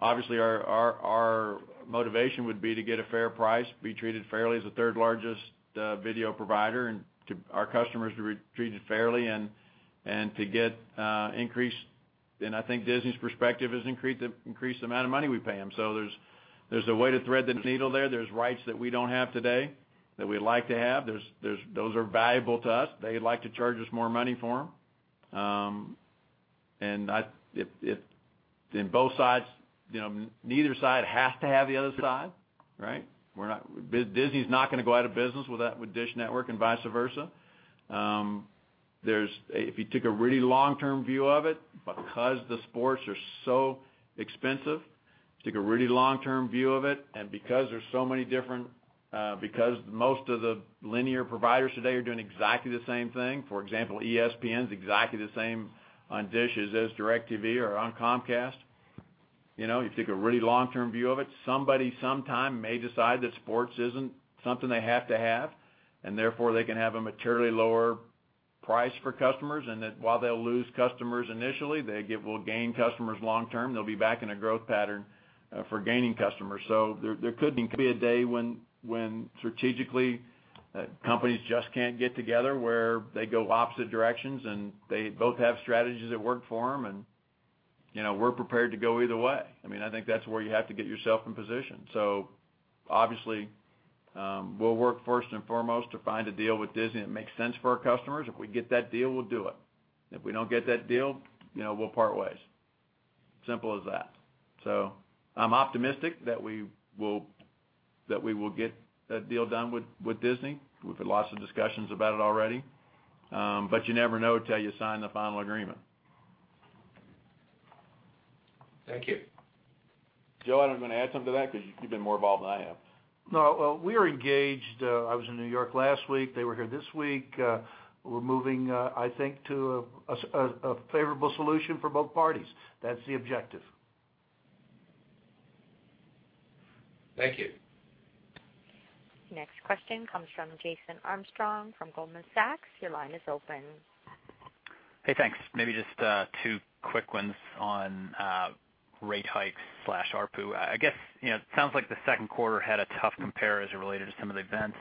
obviously our motivation would be to get a fair price, be treated fairly as the third-largest video provider and to our customers to be treated fairly and to get increased. I think Disney's perspective is increase the amount of money we pay them. There's a way to thread the needle there. There's rights that we don't have today that we'd like to have. Those are valuable to us. They'd like to charge us more money for them. If both sides, you know, neither side has to have the other side, right? Disney's not gonna go out of business with that, with DISH Network and vice versa. If you took a really long-term view of it, because the sports are so expensive, take a really long-term view of it, and because there's so many different, because most of the linear providers today are doing exactly the same thing, for example, ESPN's exactly the same on DISH as is DirecTV or on Comcast. You know, you take a really long-term view of it, somebody sometime may decide that sports isn't something they have to have, and therefore, they can have a materially lower price for customers, and that while they'll lose customers initially, will gain customers long term. They'll be back in a growth pattern for gaining customers. There could be a day when strategically, companies just can't get together, where they go opposite directions and they both have strategies that work for them and, you know, we're prepared to go either way. I mean, I think that's where you have to get yourself in position. Obviously, we'll work first and foremost to find a deal with Disney that makes sense for our customers. If we get that deal, we'll do it. If we don't get that deal, you know, we'll part ways. Simple as that. I'm optimistic that we will get that deal done with Disney. We've had lots of discussions about it already, but you never know till you sign the final agreement. Thank you. Joe, do you want to add something to that? 'Cause you've been more involved than I have. No. Well, we are engaged. I was in New York last week. They were here this week. We're moving, I think to a favorable solution for both parties. That's the objective. Thank you. Next question comes from Jason Armstrong from Goldman Sachs. Your line is open. Hey, thanks. Maybe just two quick ones on rate hikes slash ARPU. I guess, you know, it sounds like the second quarter had a tough compare as it related to some of the events.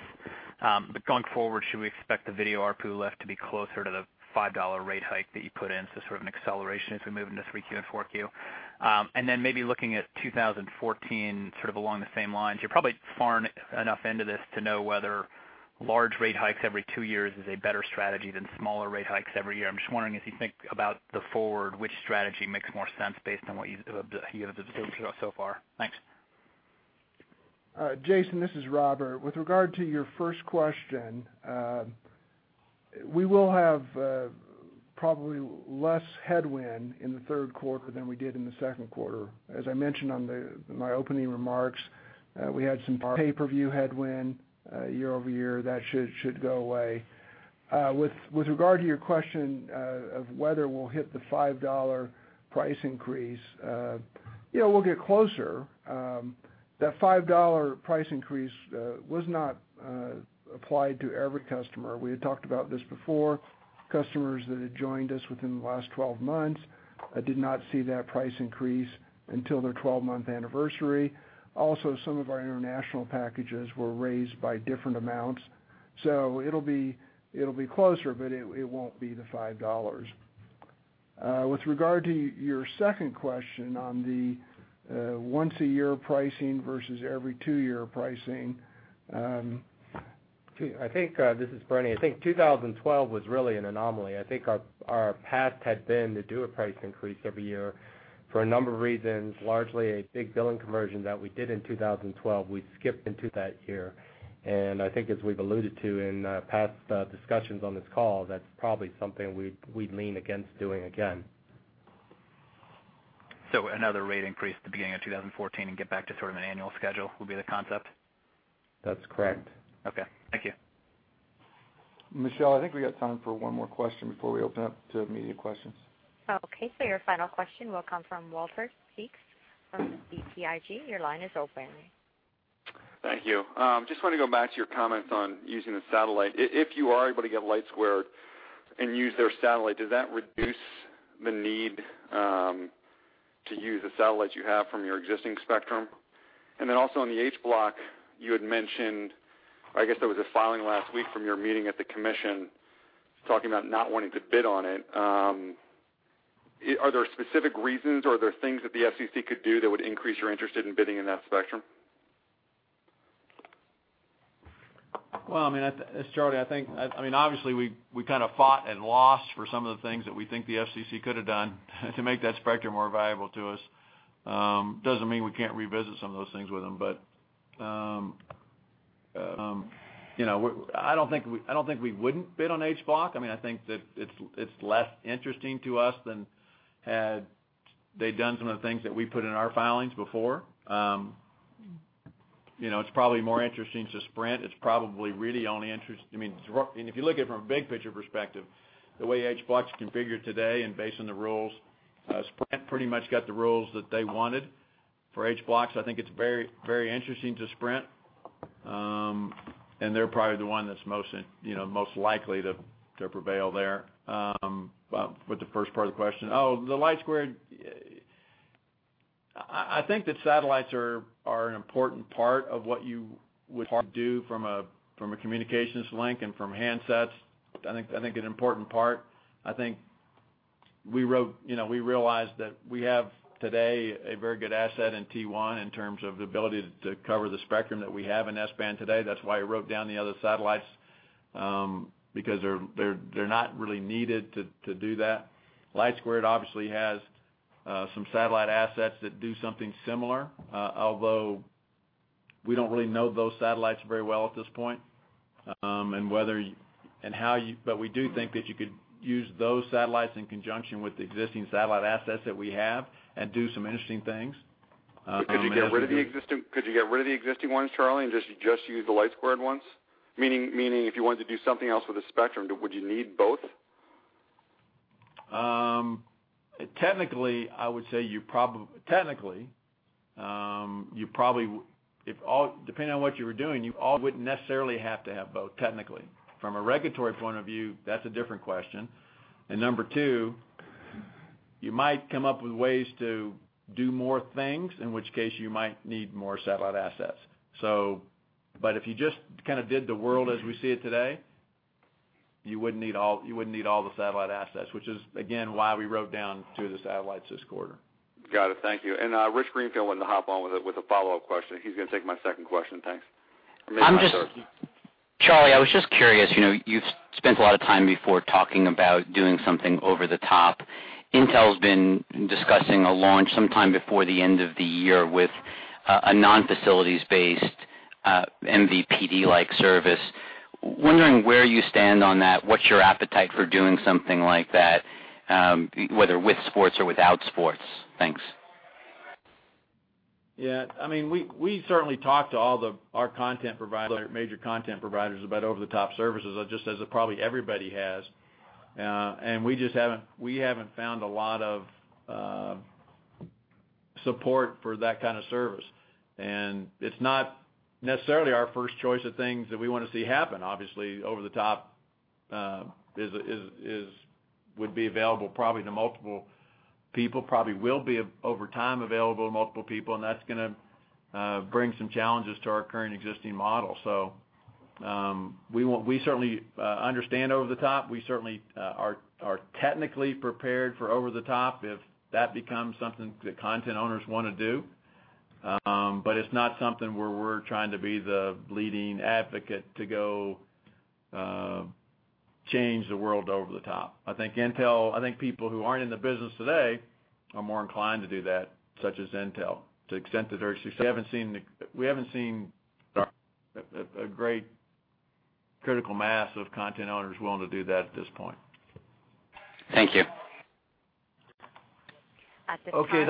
Going forward, should we expect the video ARPU lift to be closer to the $5 rate hike that you put in, so sort of an acceleration as we move into 3Q and 4Q? Maybe looking at 2014, sort of along the same lines. You're probably far enough into this to know whether large rate hikes every two years is a better strategy than smaller rate hikes every year. I'm just wondering if you think about the forward, which strategy makes more sense based on what you've observed so far. Thanks. Jason, this is Robert. With regard to your first question, we will have probably less headwind in the third quarter than we did in the second quarter. As I mentioned on the, my opening remarks, we had some pay-per-view headwind, year-over-year, that should go away. With regard to your question, of whether we'll hit the $5 price increase, you know, we'll get closer. That $5 price increase was not applied to every customer. We had talked about this before. Customers that had joined us within the last 12 months did not see that price increase until their 12-month anniversary. Also, some of our international packages were raised by different amounts. It'll be closer, but it won't be the $5. With regard to your second question on the once-a-year pricing versus every two year pricing. I think, this is Charlie Ergen. I think 2012 was really an anomaly. I think our path had been to do a price increase every year for a number of reasons, largely a big billing conversion that we did in 2012. We skipped in to that year. I think as we've alluded to in past discussions on this call, that's probably something we'd lean against doing again. Another rate increase at the beginning of 2014 and get back to sort of an annual schedule would be the concept? That's correct. Okay. Thank you. Michelle, I think we got time for one more question before we open up to media questions. Okay. Your final question will come from Walter Piecyk from BTIG. Your line is open. Thank you. Just wanna go back to your comments on using the satellite. If you are able to get LightSquared and use their satellite, does that reduce the need to use the satellites you have from your existing spectrum? Also on the H Block, you had mentioned, I guess there was a filing last week from your meeting at the Commission talking about not wanting to bid on it. Are there specific reasons, or are there things that the FCC could do that would increase your interest in bidding in that spectrum? Well, I mean, Charlie, I think, I mean, obviously, we kinda fought and lost for some of the things that we think the FCC could have done to make that spectrum more valuable to us. Doesn't mean we can't revisit some of those things with them. You know, I don't think we wouldn't bid on H Block. I mean, I think that it's less interesting to us than had they done some of the things that we put in our filings before. You know, it's probably more interesting to Sprint. It's probably really only, I mean, if you look at it from a big picture perspective, the way H Block's configured today and based on the rules, Sprint pretty much got the rules that they wanted for H Blocks. I think it's very, very interesting to Sprint. They're probably the one that's you know, most likely to prevail there. What the first part of the question. Oh, the LightSquared. I think that satellites are an important part of what you would do from a communications link and from handsets. I think an important part. I think we wrote, you know, we realized that we have today a very good asset in T1 in terms of the ability to cover the spectrum that we have in S-band today. That's why I wrote down the other satellites, because they're not really needed to do that. LightSquared obviously has some satellite assets that do something similar, although we don't really know those satellites very well at this point. We do think that you could use those satellites in conjunction with the existing satellite assets that we have and do some interesting things. Could you get rid of the existing ones, Charlie, and just use the LightSquared ones? Meaning if you wanted to do something else with the spectrum, would you need both? Technically, I would say you wouldn't necessarily have to have both, technically. From a regulatory point of view, that's a different question. Number two, you might come up with ways to do more things, in which case you might need more satellite assets. But if you just kind of did the world as we see it today, you wouldn't need all the satellite assets, which is, again, why we wrote down two of the satellites this quarter. Got it. Thank you. Richard Greenfield wanted to hop on with a follow-up question. He's gonna take my second question. Thanks. I'm just- Charlie, I was just curious, you know, you've spent a lot of time before talking about doing something over the top. Intel's been discussing a launch sometime before the end of the year with a non-facilities-based MVPD-like service. Wondering where you stand on that. What's your appetite for doing something like that, whether with sports or without sports? Thanks. Yeah, I mean, we certainly talk to our content provider, major content providers about over-the-top services, just as probably everybody has. We just haven't found a lot of support for that kind of service. It's not necessarily our first choice of things that we wanna see happen. Obviously, over-the-top would be available probably to multiple people, probably will be over time available to multiple people, and that's gonna bring some challenges to our current existing model. We certainly understand over-the-top. We certainly are technically prepared for over-the-top if that becomes something that content owners wanna do. It's not something where we're trying to be the leading advocate to go change the world over-the-top. I think people who aren't in the business today are more inclined to do that, such as Intel, to the extent that they're successful. We haven't seen a great critical mass of content owners willing to do that at this point. Thank you. At this time.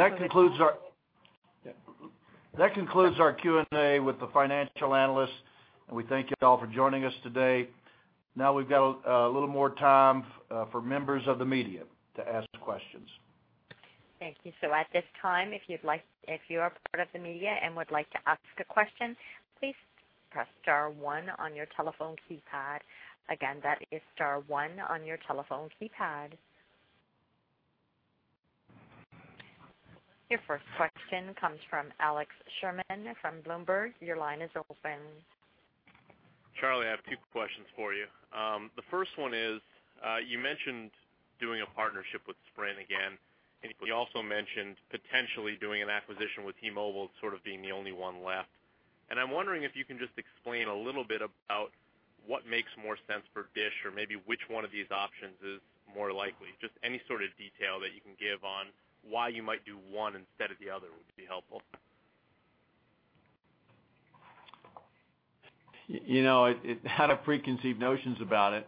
That concludes our Q&A with the financial analysts, and we thank you all for joining us today. Now we've got a little more time for members of the media to ask questions. Thank you. At this time, if you are part of the media and would like to ask a question, please press star one on your telephone keypad. Again, that is star one on your telephone keypad. Your first question comes from Alex Sherman from Bloomberg. Your line is open. Charlie, I have two questions for you. The first one is, you mentioned doing a partnership with Sprint again, and you also mentioned potentially doing an acquisition with T-Mobile sort of being the only one left. I'm wondering if you can just explain a little bit about what makes more sense for DISH, or maybe which one of these options is more likely. Just any sort of detail that you can give on why you might do one instead of the other would be helpful. You know, it had a preconceived notions about it.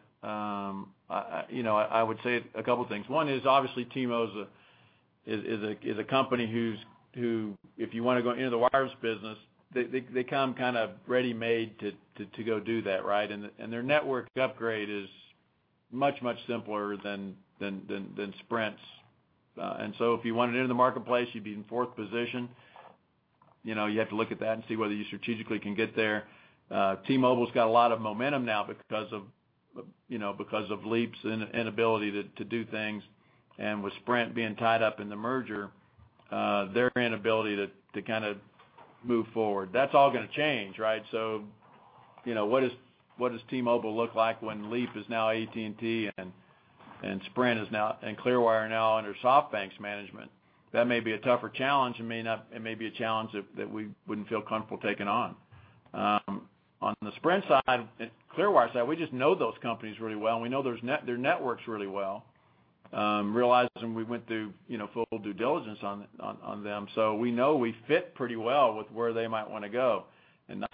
I, you know, I would say a couple things. One is obviously T-Mo's a company who, if you wanna go into the wireless business, they come kind of ready-made to go do that, right? Their network upgrade is much simpler than Sprint's. If you wanted into the marketplace, you'd be in fourth position. You know, you have to look at that and see whether you strategically can get there. T-Mobile's got a lot of momentum now because of, you know, because of Leap's inability to do things, and with Sprint being tied up in the merger, their inability to kind of move forward. That's all gonna change, right? You know, what does T-Mobile look like when Leap is now AT&T and Sprint and Clearwire now under SoftBank's management? That may be a tougher challenge. It may be a challenge that we wouldn't feel comfortable taking on. On the Sprint side and Clearwire side, we just know those companies really well, and we know those networks really well. Realizing we went through, you know, full due diligence on them. We know we fit pretty well with where they might wanna go.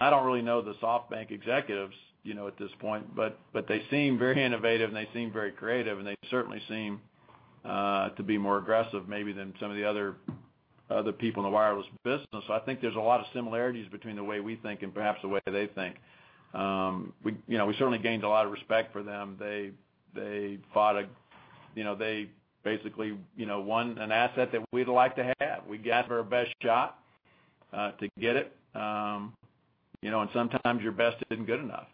I don't really know the SoftBank executives, you know, at this point, but they seem very innovative, and they seem very creative, and they certainly seem to be more aggressive maybe than some of the other people in the wireless business. I think there's a lot of similarities between the way we think and perhaps the way they think. We, you know, we certainly gained a lot of respect for them. They, they fought a, you know, they basically, you know, won an asset that we'd like to have. We gave it our best shot to get it. You know, and sometimes your best isn't good enough.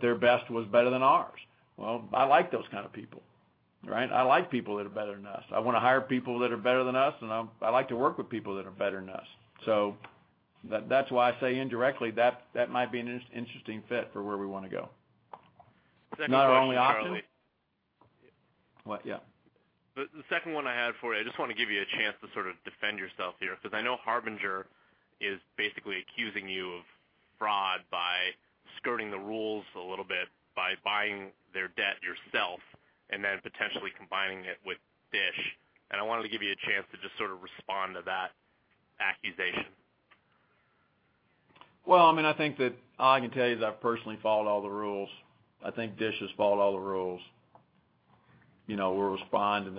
Their best was better than ours. I like those kind of people, right? I like people that are better than us. I wanna hire people that are better than us, and I like to work with people that are better than us. That, that's why I say indirectly that might be an interesting fit for where we wanna go. Second question, Charlie. Not our only option. What? Yeah. The second one I had for you, I just wanna give you a chance to sort of defend yourself here, because I know Harbinger is basically accusing you of fraud by skirting the rules a little bit, by buying their debt yourself and then potentially combining it with DISH. I wanted to give you a chance to just sort of respond to that accusation. Well, I mean, I think that all I can tell you is I've personally followed all the rules. I think DISH has followed all the rules. You know, we will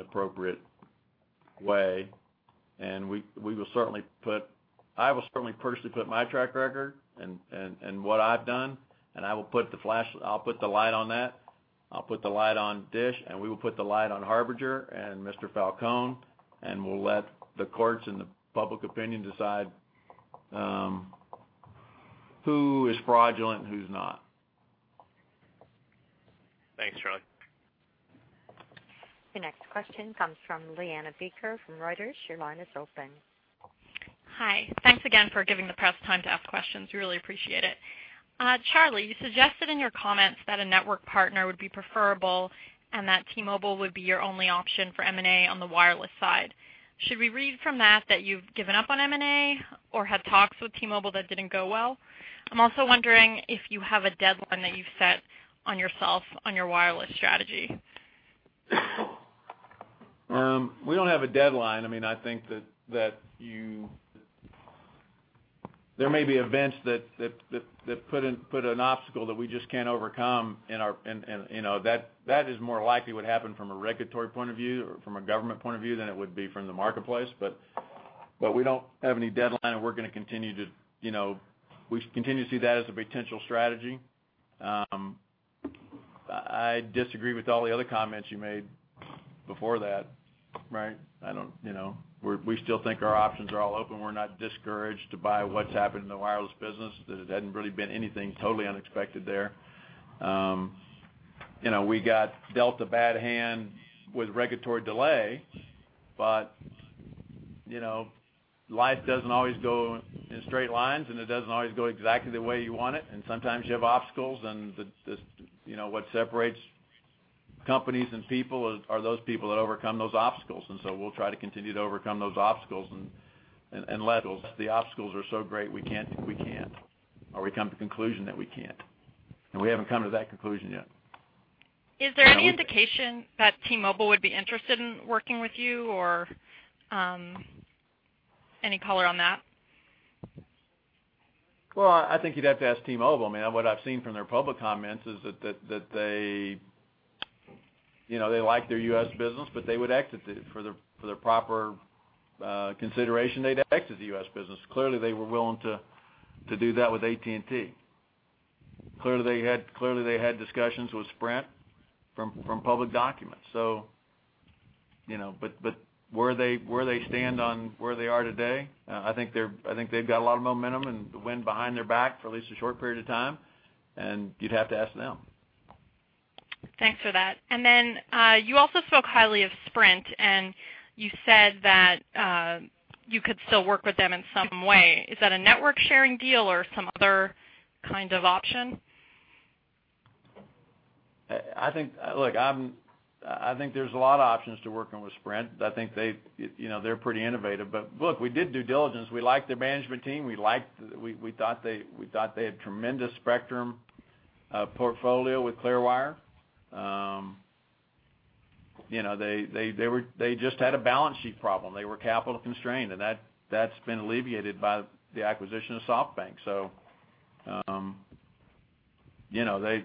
certainly put I will certainly personally put my track record and what I've done, and I will put the light on that. I'll put the light on DISH, and we will put the light on Harbinger and Mr. Falcone, and we'll let the courts and the public opinion decide who is fraudulent and who's not. Thanks, Charlie. Your next question comes from Liana Baker from Reuters. Your line is open. Hi. Thanks again for giving the press time to ask questions. We really appreciate it. Charlie, you suggested in your comments that a network partner would be preferable and that T-Mobile would be your only option for M&A on the wireless side. Should we read from that you've given up on M&A or had talks with T-Mobile that didn't go well? I'm also wondering if you have a deadline that you've set on yourself on your wireless strategy. We don't have a deadline. I mean, I think that you There may be events that put an obstacle that we just can't overcome in our and, you know, that is more likely what happened from a regulatory point of view or from a government point of view than it would be from the marketplace. We don't have any deadline, and we're gonna continue to, you know, we continue to see that as a potential strategy. I disagree with all the other comments you made before that, right. I don't, you know, we still think our options are all open. We're not discouraged by what's happened in the wireless business. There hadn't really been anything totally unexpected there. You know, we got dealt a bad hand with regulatory delay. You know, life doesn't always go in straight lines. It doesn't always go exactly the way you want it. Sometimes you have obstacles and the, you know, what separates companies and people is, are those people that overcome those obstacles. We'll try to continue to overcome those obstacles unless the obstacles are so great, we can't, or we come to the conclusion that we can't. We haven't come to that conclusion yet. Is there any indication that T-Mobile would be interested in working with you or any color on that? I think you'd have to ask T-Mobile. I mean, what I've seen from their public comments is that they, you know, they like their U.S. business, but they would exit it. For the proper consideration, they'd exit the U.S. business. Clearly, they were willing to do that with AT&T. Clearly, they had discussions with Sprint from public documents. You know, but where they stand on where they are today, I think they've got a lot of momentum and wind behind their back for at least a short period of time, and you'd have to ask them. Thanks for that. Then, you also spoke highly of Sprint, and you said that, you could still work with them in some way. Is that a network sharing deal or some other kind of option? I think, look, I think there's a lot of options to working with Sprint. I think they, you know, they're pretty innovative. Look, we did due diligence. We liked their management team, we thought they had tremendous spectrum portfolio with Clearwire. You know, they just had a balance sheet problem. They were capital constrained, and that's been alleviated by the acquisition of SoftBank. You know,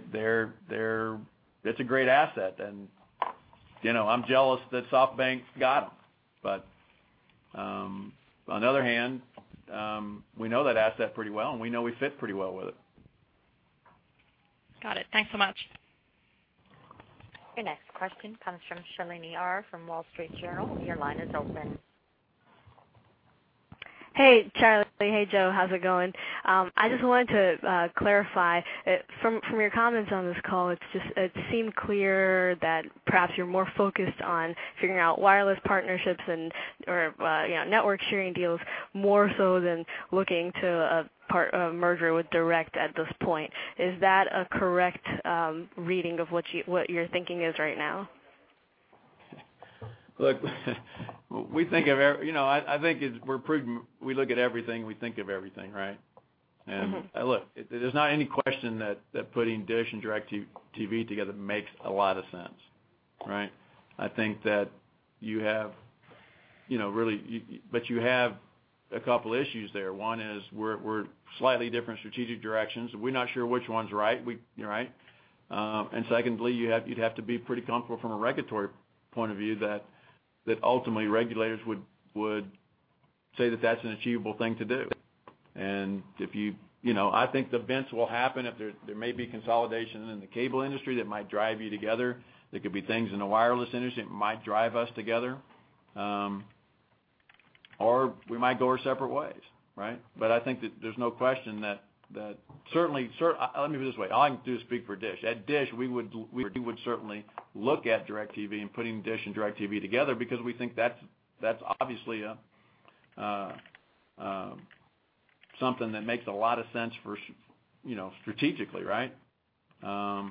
it's a great asset and, you know, I'm jealous that SoftBank's got them. On the other hand, we know that asset pretty well, and we know we fit pretty well with it. Got it. Thanks so much. Your next question comes from Shalini Ramachandran from The Wall Street Journal. Your line is open. Hey, Charlie. Hey, Joe. How's it going? I just wanted to clarify. From your comments on this call, it's just, it seemed clear that perhaps you're more focused on figuring out wireless partnerships and, or, you know, network sharing deals more so than looking to a merger with DirecTV at this point. Is that a correct reading of what your thinking is right now? Look, You know, I think it's, we look at everything, we think of everything, right? Look, there's not any question that putting DISH and DirecTV together makes a lot of sense, right? I think that you have, you know, really, you have a couple issues there. One is we're slightly different strategic directions. We're not sure which one's right, right? Secondly, you'd have to be pretty comfortable from a regulatory point of view that ultimately regulators would say that that's an achievable thing to do. If you know, I think events will happen. If there may be consolidation in the cable industry that might drive you together. There could be things in the wireless industry that might drive us together. We might go our separate ways, right? I think that there's no question that certainly, let me put it this way. All I can do is speak for DISH. At DISH, we would certainly look at DIRECTV and putting DISH and DIRECTV together because we think that's obviously something that makes a lot of sense for, you know, strategically, right? We're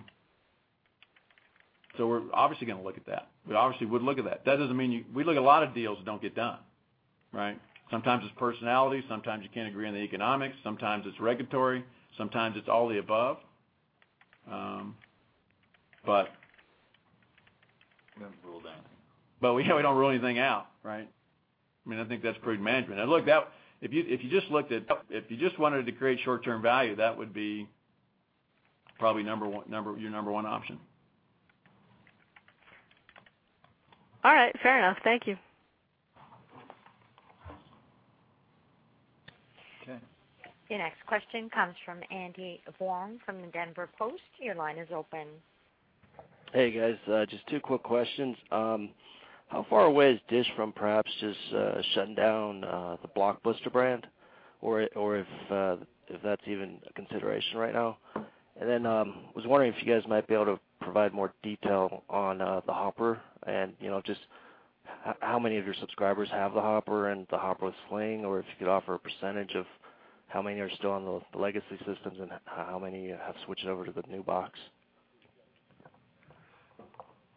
obviously gonna look at that. We obviously would look at that. That doesn't mean We look at a lot of deals that don't get done, right? Sometimes it's personality, sometimes you can't agree on the economics, sometimes it's regulatory, sometimes it's all the above. We haven't ruled out anything. We don't rule anything out, right? I mean, I think that's prudent management. Look, if you just wanted to create short-term value, that would be probably number one, your number one option. All right. Fair enough. Thank you. Okay. Your next question comes from Andy Vuong from The Denver Post. Your line is open. Hey, guys. Just two quick questions. How far away is DISH from perhaps just shutting down the Blockbuster brand, or if that's even a consideration right now? I was wondering if you guys might be able to provide more detail on the Hopper and, you know, just how many of your subscribers have the Hopper and the Hopper with Sling or if you could offer a percentage of how many are still on the legacy systems and how many have switched over to the new box?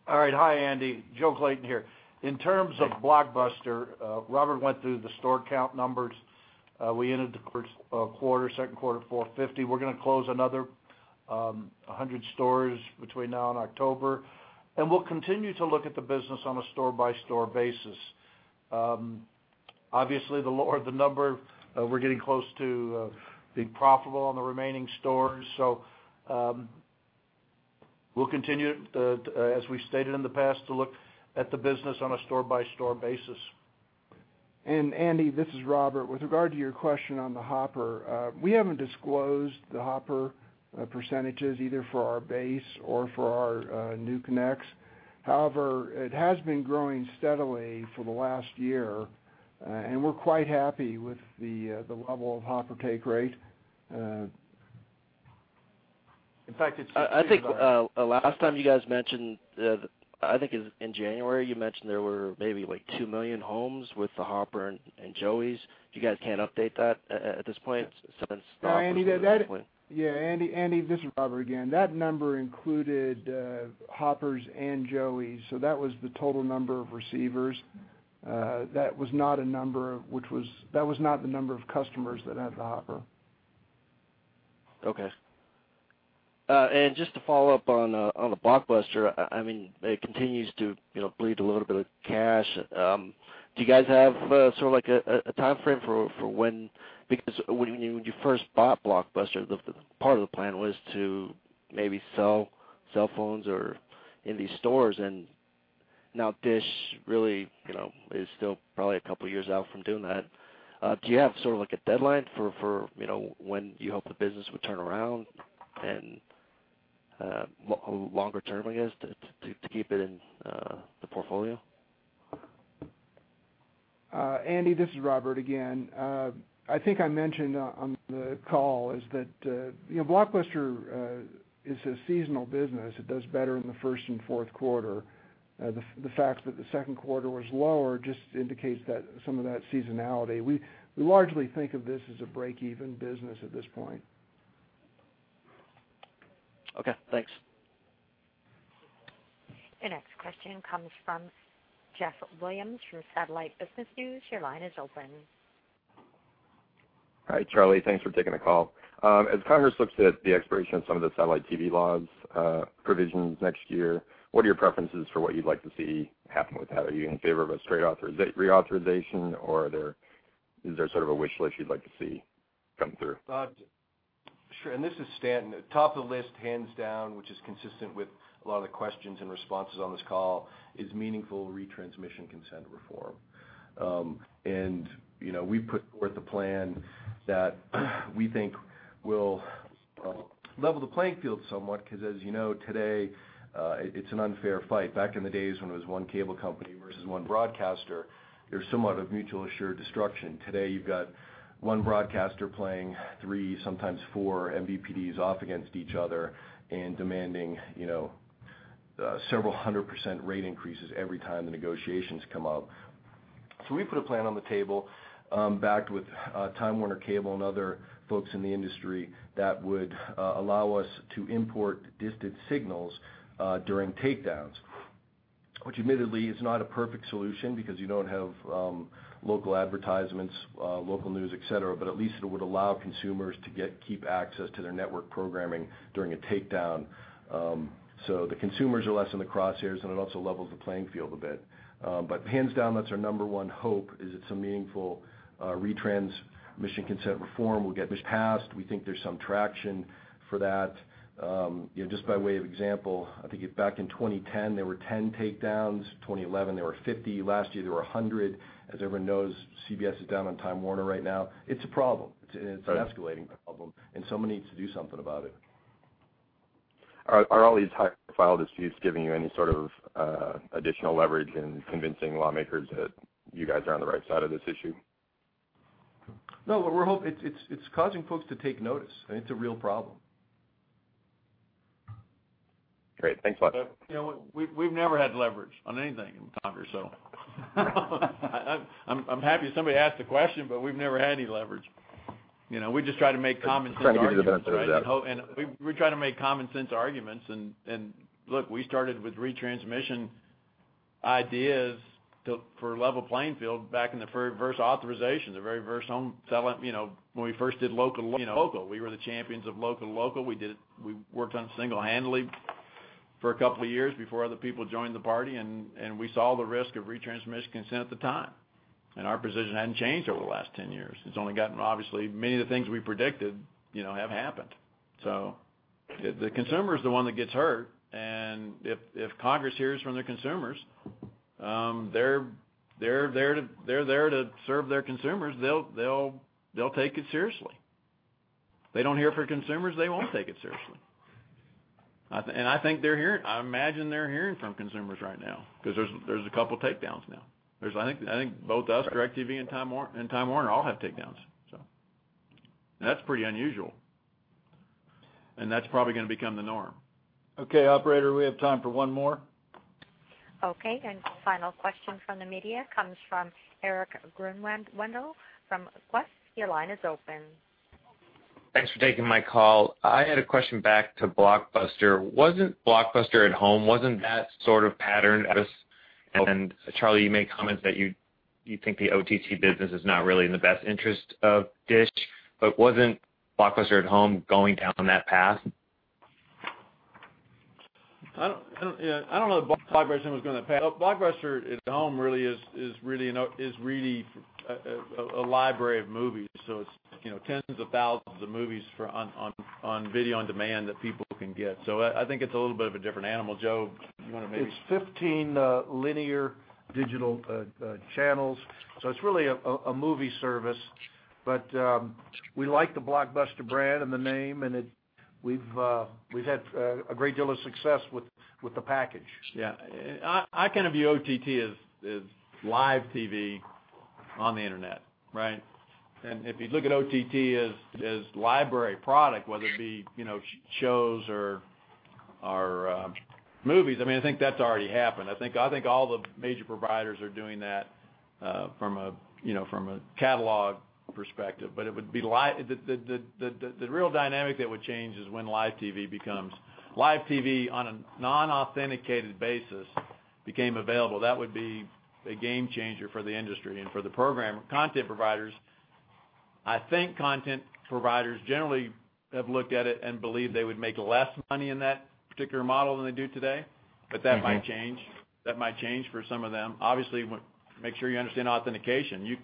All right. Hi, Andy. Joe Clayton here. In terms of Blockbuster, Robert went through the store count numbers. We ended the first quarter, second quarter at 450. We're gonna close another 100 stores between now and October, and we'll continue to look at the business on a store-by-store basis. Obviously, the lower the number, we're getting close to being profitable on the remaining stores. We'll continue to, as we stated in the past, to look at the business on a store-by-store basis. Andy, this is Robert. With regard to your question on the Hopper, we haven't disclosed the Hopper percentages either for our base or for our new connects. However, it has been growing steadily for the last year, and we're quite happy with the level of Hopper take rate. I think last time you guys mentioned, I think it was in January, you mentioned there were maybe like two million homes with the Hopper and Joeys. Can you guys update that at this point? Since then it's stopped. Andy, this is Robert again. That number included Hoppers and Joeys, so that was the total number of receivers. That was not the number of customers that had the Hopper. Okay. Just to follow up on Blockbuster, I mean, it continues to, you know, bleed a little bit of cash. Do you guys have sort of like a timeframe for when Because when you first bought Blockbuster, part of the plan was to maybe sell cell phones or in these stores and now DISH really, you know, is still probably two years out from doing that. Do you have sort of like a deadline for, you know, when you hope the business would turn around and longer term, I guess, to keep it in the portfolio? Andy, this is Robert again. I think I mentioned on the call is that, you know, Blockbuster is a seasonal business. It does better in the first and fourth quarter. The fact that the second quarter was lower just indicates that some of that seasonality. We largely think of this as a break-even business at this point. Okay, thanks. Your next question comes from Jeff Williams from Satellite Business News. Your line is open. Hi, Charlie. Thanks for taking the call. As Congress looks at the expiration of some of the satellite TV laws, provisions next year, what are your preferences for what you'd like to see happen with that? Are you in favor of a straight reauthorization, or is there sort of a wish list you'd like to see come through? Sure. This is Stanton. Top of the list, hands down, which is consistent with a lot of the questions and responses on this call, is meaningful retransmission consent reform. You know, we put forth a plan that we think will level the playing field somewhat, 'cause as you know, today, it's an unfair fight. Back in the days when it was one cable company versus one broadcaster, there was somewhat of mutual assured destruction. Today, you've got one broadcaster playing three, sometimes four MVPDs off against each other and demanding, you know, several hundred percent rate increases every time the negotiations come up. We put a plan on the table, backed with Time Warner Cable and other folks in the industry that would allow us to import distant signals during takedowns, which admittedly is not a perfect solution because you don't have local advertisements, local news, et cetera, but at least it would allow consumers to keep access to their network programming during a takedown. The consumers are less in the crosshairs, and it also levels the playing field a bit. Hands down, that's our number one hope is that some meaningful retransmission consent reform will get passed. We think there's some traction for that. You know, just by way of example, I think back in 2010, there were 10 takedowns. 2011, there were 50. Last year, there were 100. As everyone knows, CBS is down on Time Warner right now. It's a problem. It's an escalating problem, and someone needs to do something about it. Are all these high-profile disputes giving you any sort of additional leverage in convincing lawmakers that you guys are on the right side of this issue? No, It's causing folks to take notice, and it's a real problem. Great. Thanks a lot. You know, we've never had leverage on anything in Congress. I'm happy somebody asked the question. We've never had any leverage. You know, we just try to make common sense arguments, right? We try to make common sense arguments, and look, we started with retransmission ideas for level playing field back in the very first authorization, when we first did local. We were the champions of local. We worked on it single-handedly for a couple of years before other people joined the party, and we saw the risk of retransmission consent at the time, and our position hadn't changed over the last 10 years. It's only gotten, obviously, many of the things we predicted have happened. The consumer is the one that gets hurt, and if Congress hears from their consumers, they're there to serve their consumers, they'll take it seriously. If they don't hear it from consumers, they won't take it seriously. I imagine they're hearing from consumers right now because there's a couple takedowns now. I think both us, DirecTV and Time Warner all have takedowns. That's pretty unusual. That's probably going to become the norm. Okay, operator, we have time for one more. Okay, final question from the media comes from Eric Grunwen-wendel from Quest. Your line is open. Thanks for taking my call. I had a question back to Blockbuster. Wasn't Blockbuster @Home, Charlie, you made comments that you think the OTT business is not really in the best interest of Dish, wasn't Blockbuster @Home going down that path? I don't know that Blockbuster was gonna pass. Blockbuster @Home really is really a library of movies, so it's, you know, tens of thousands of movies for on video on demand that people can get. I think it's a little bit of a different animal. Joe, do you wanna maybe- It's 15 linear digital channels, so it's really a movie service. We like the Blockbuster brand and the name, and We've had a great deal of success with the package. Yeah. I kind of view OTT as live TV on the internet, right? If you look at OTT as library product, whether it be, you know, shows or movies, I mean, I think that's already happened. I think all the major providers are doing that from a, you know, from a catalog perspective. It would be the real dynamic that would change is when live TV becomes live TV on a non-authenticated basis became available, that would be a game changer for the industry and for the program content providers. I think content providers generally have looked at it and believe they would make less money in that particular model than they do today. That might change. That might change for some of them. Obviously, make sure you understand authentication.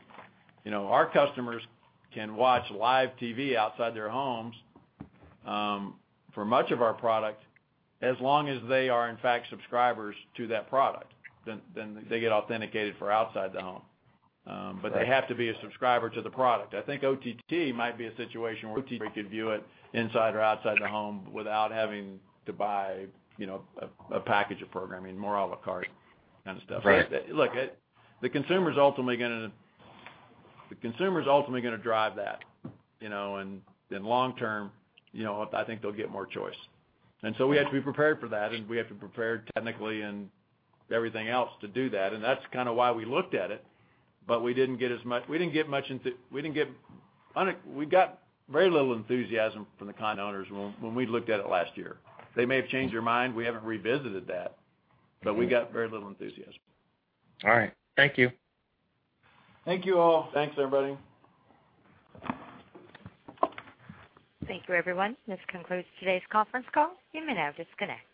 You know, our customers can watch live TV outside their homes for much of our product as long as they are in fact subscribers to that product, then they get authenticated for outside the home. They have to be a subscriber to the product. I think OTT might be a situation where OTT could view it inside or outside the home without having to buy, you know, a package of programming, more a la carte kind of stuff. Right. The consumer's ultimately gonna drive that, you know. Long term, you know, I think they'll get more choice. We have to be prepared for that, and we have to prepare technically and everything else to do that, and that's kinda why we looked at it, but we got very little enthusiasm from the content owners when we looked at it last year. They may have changed their mind. We haven't revisited that. We got very little enthusiasm. All right. Thank you. Thank you all. Thanks, everybody. Thank you, everyone. This concludes today's conference call. You may now disconnect.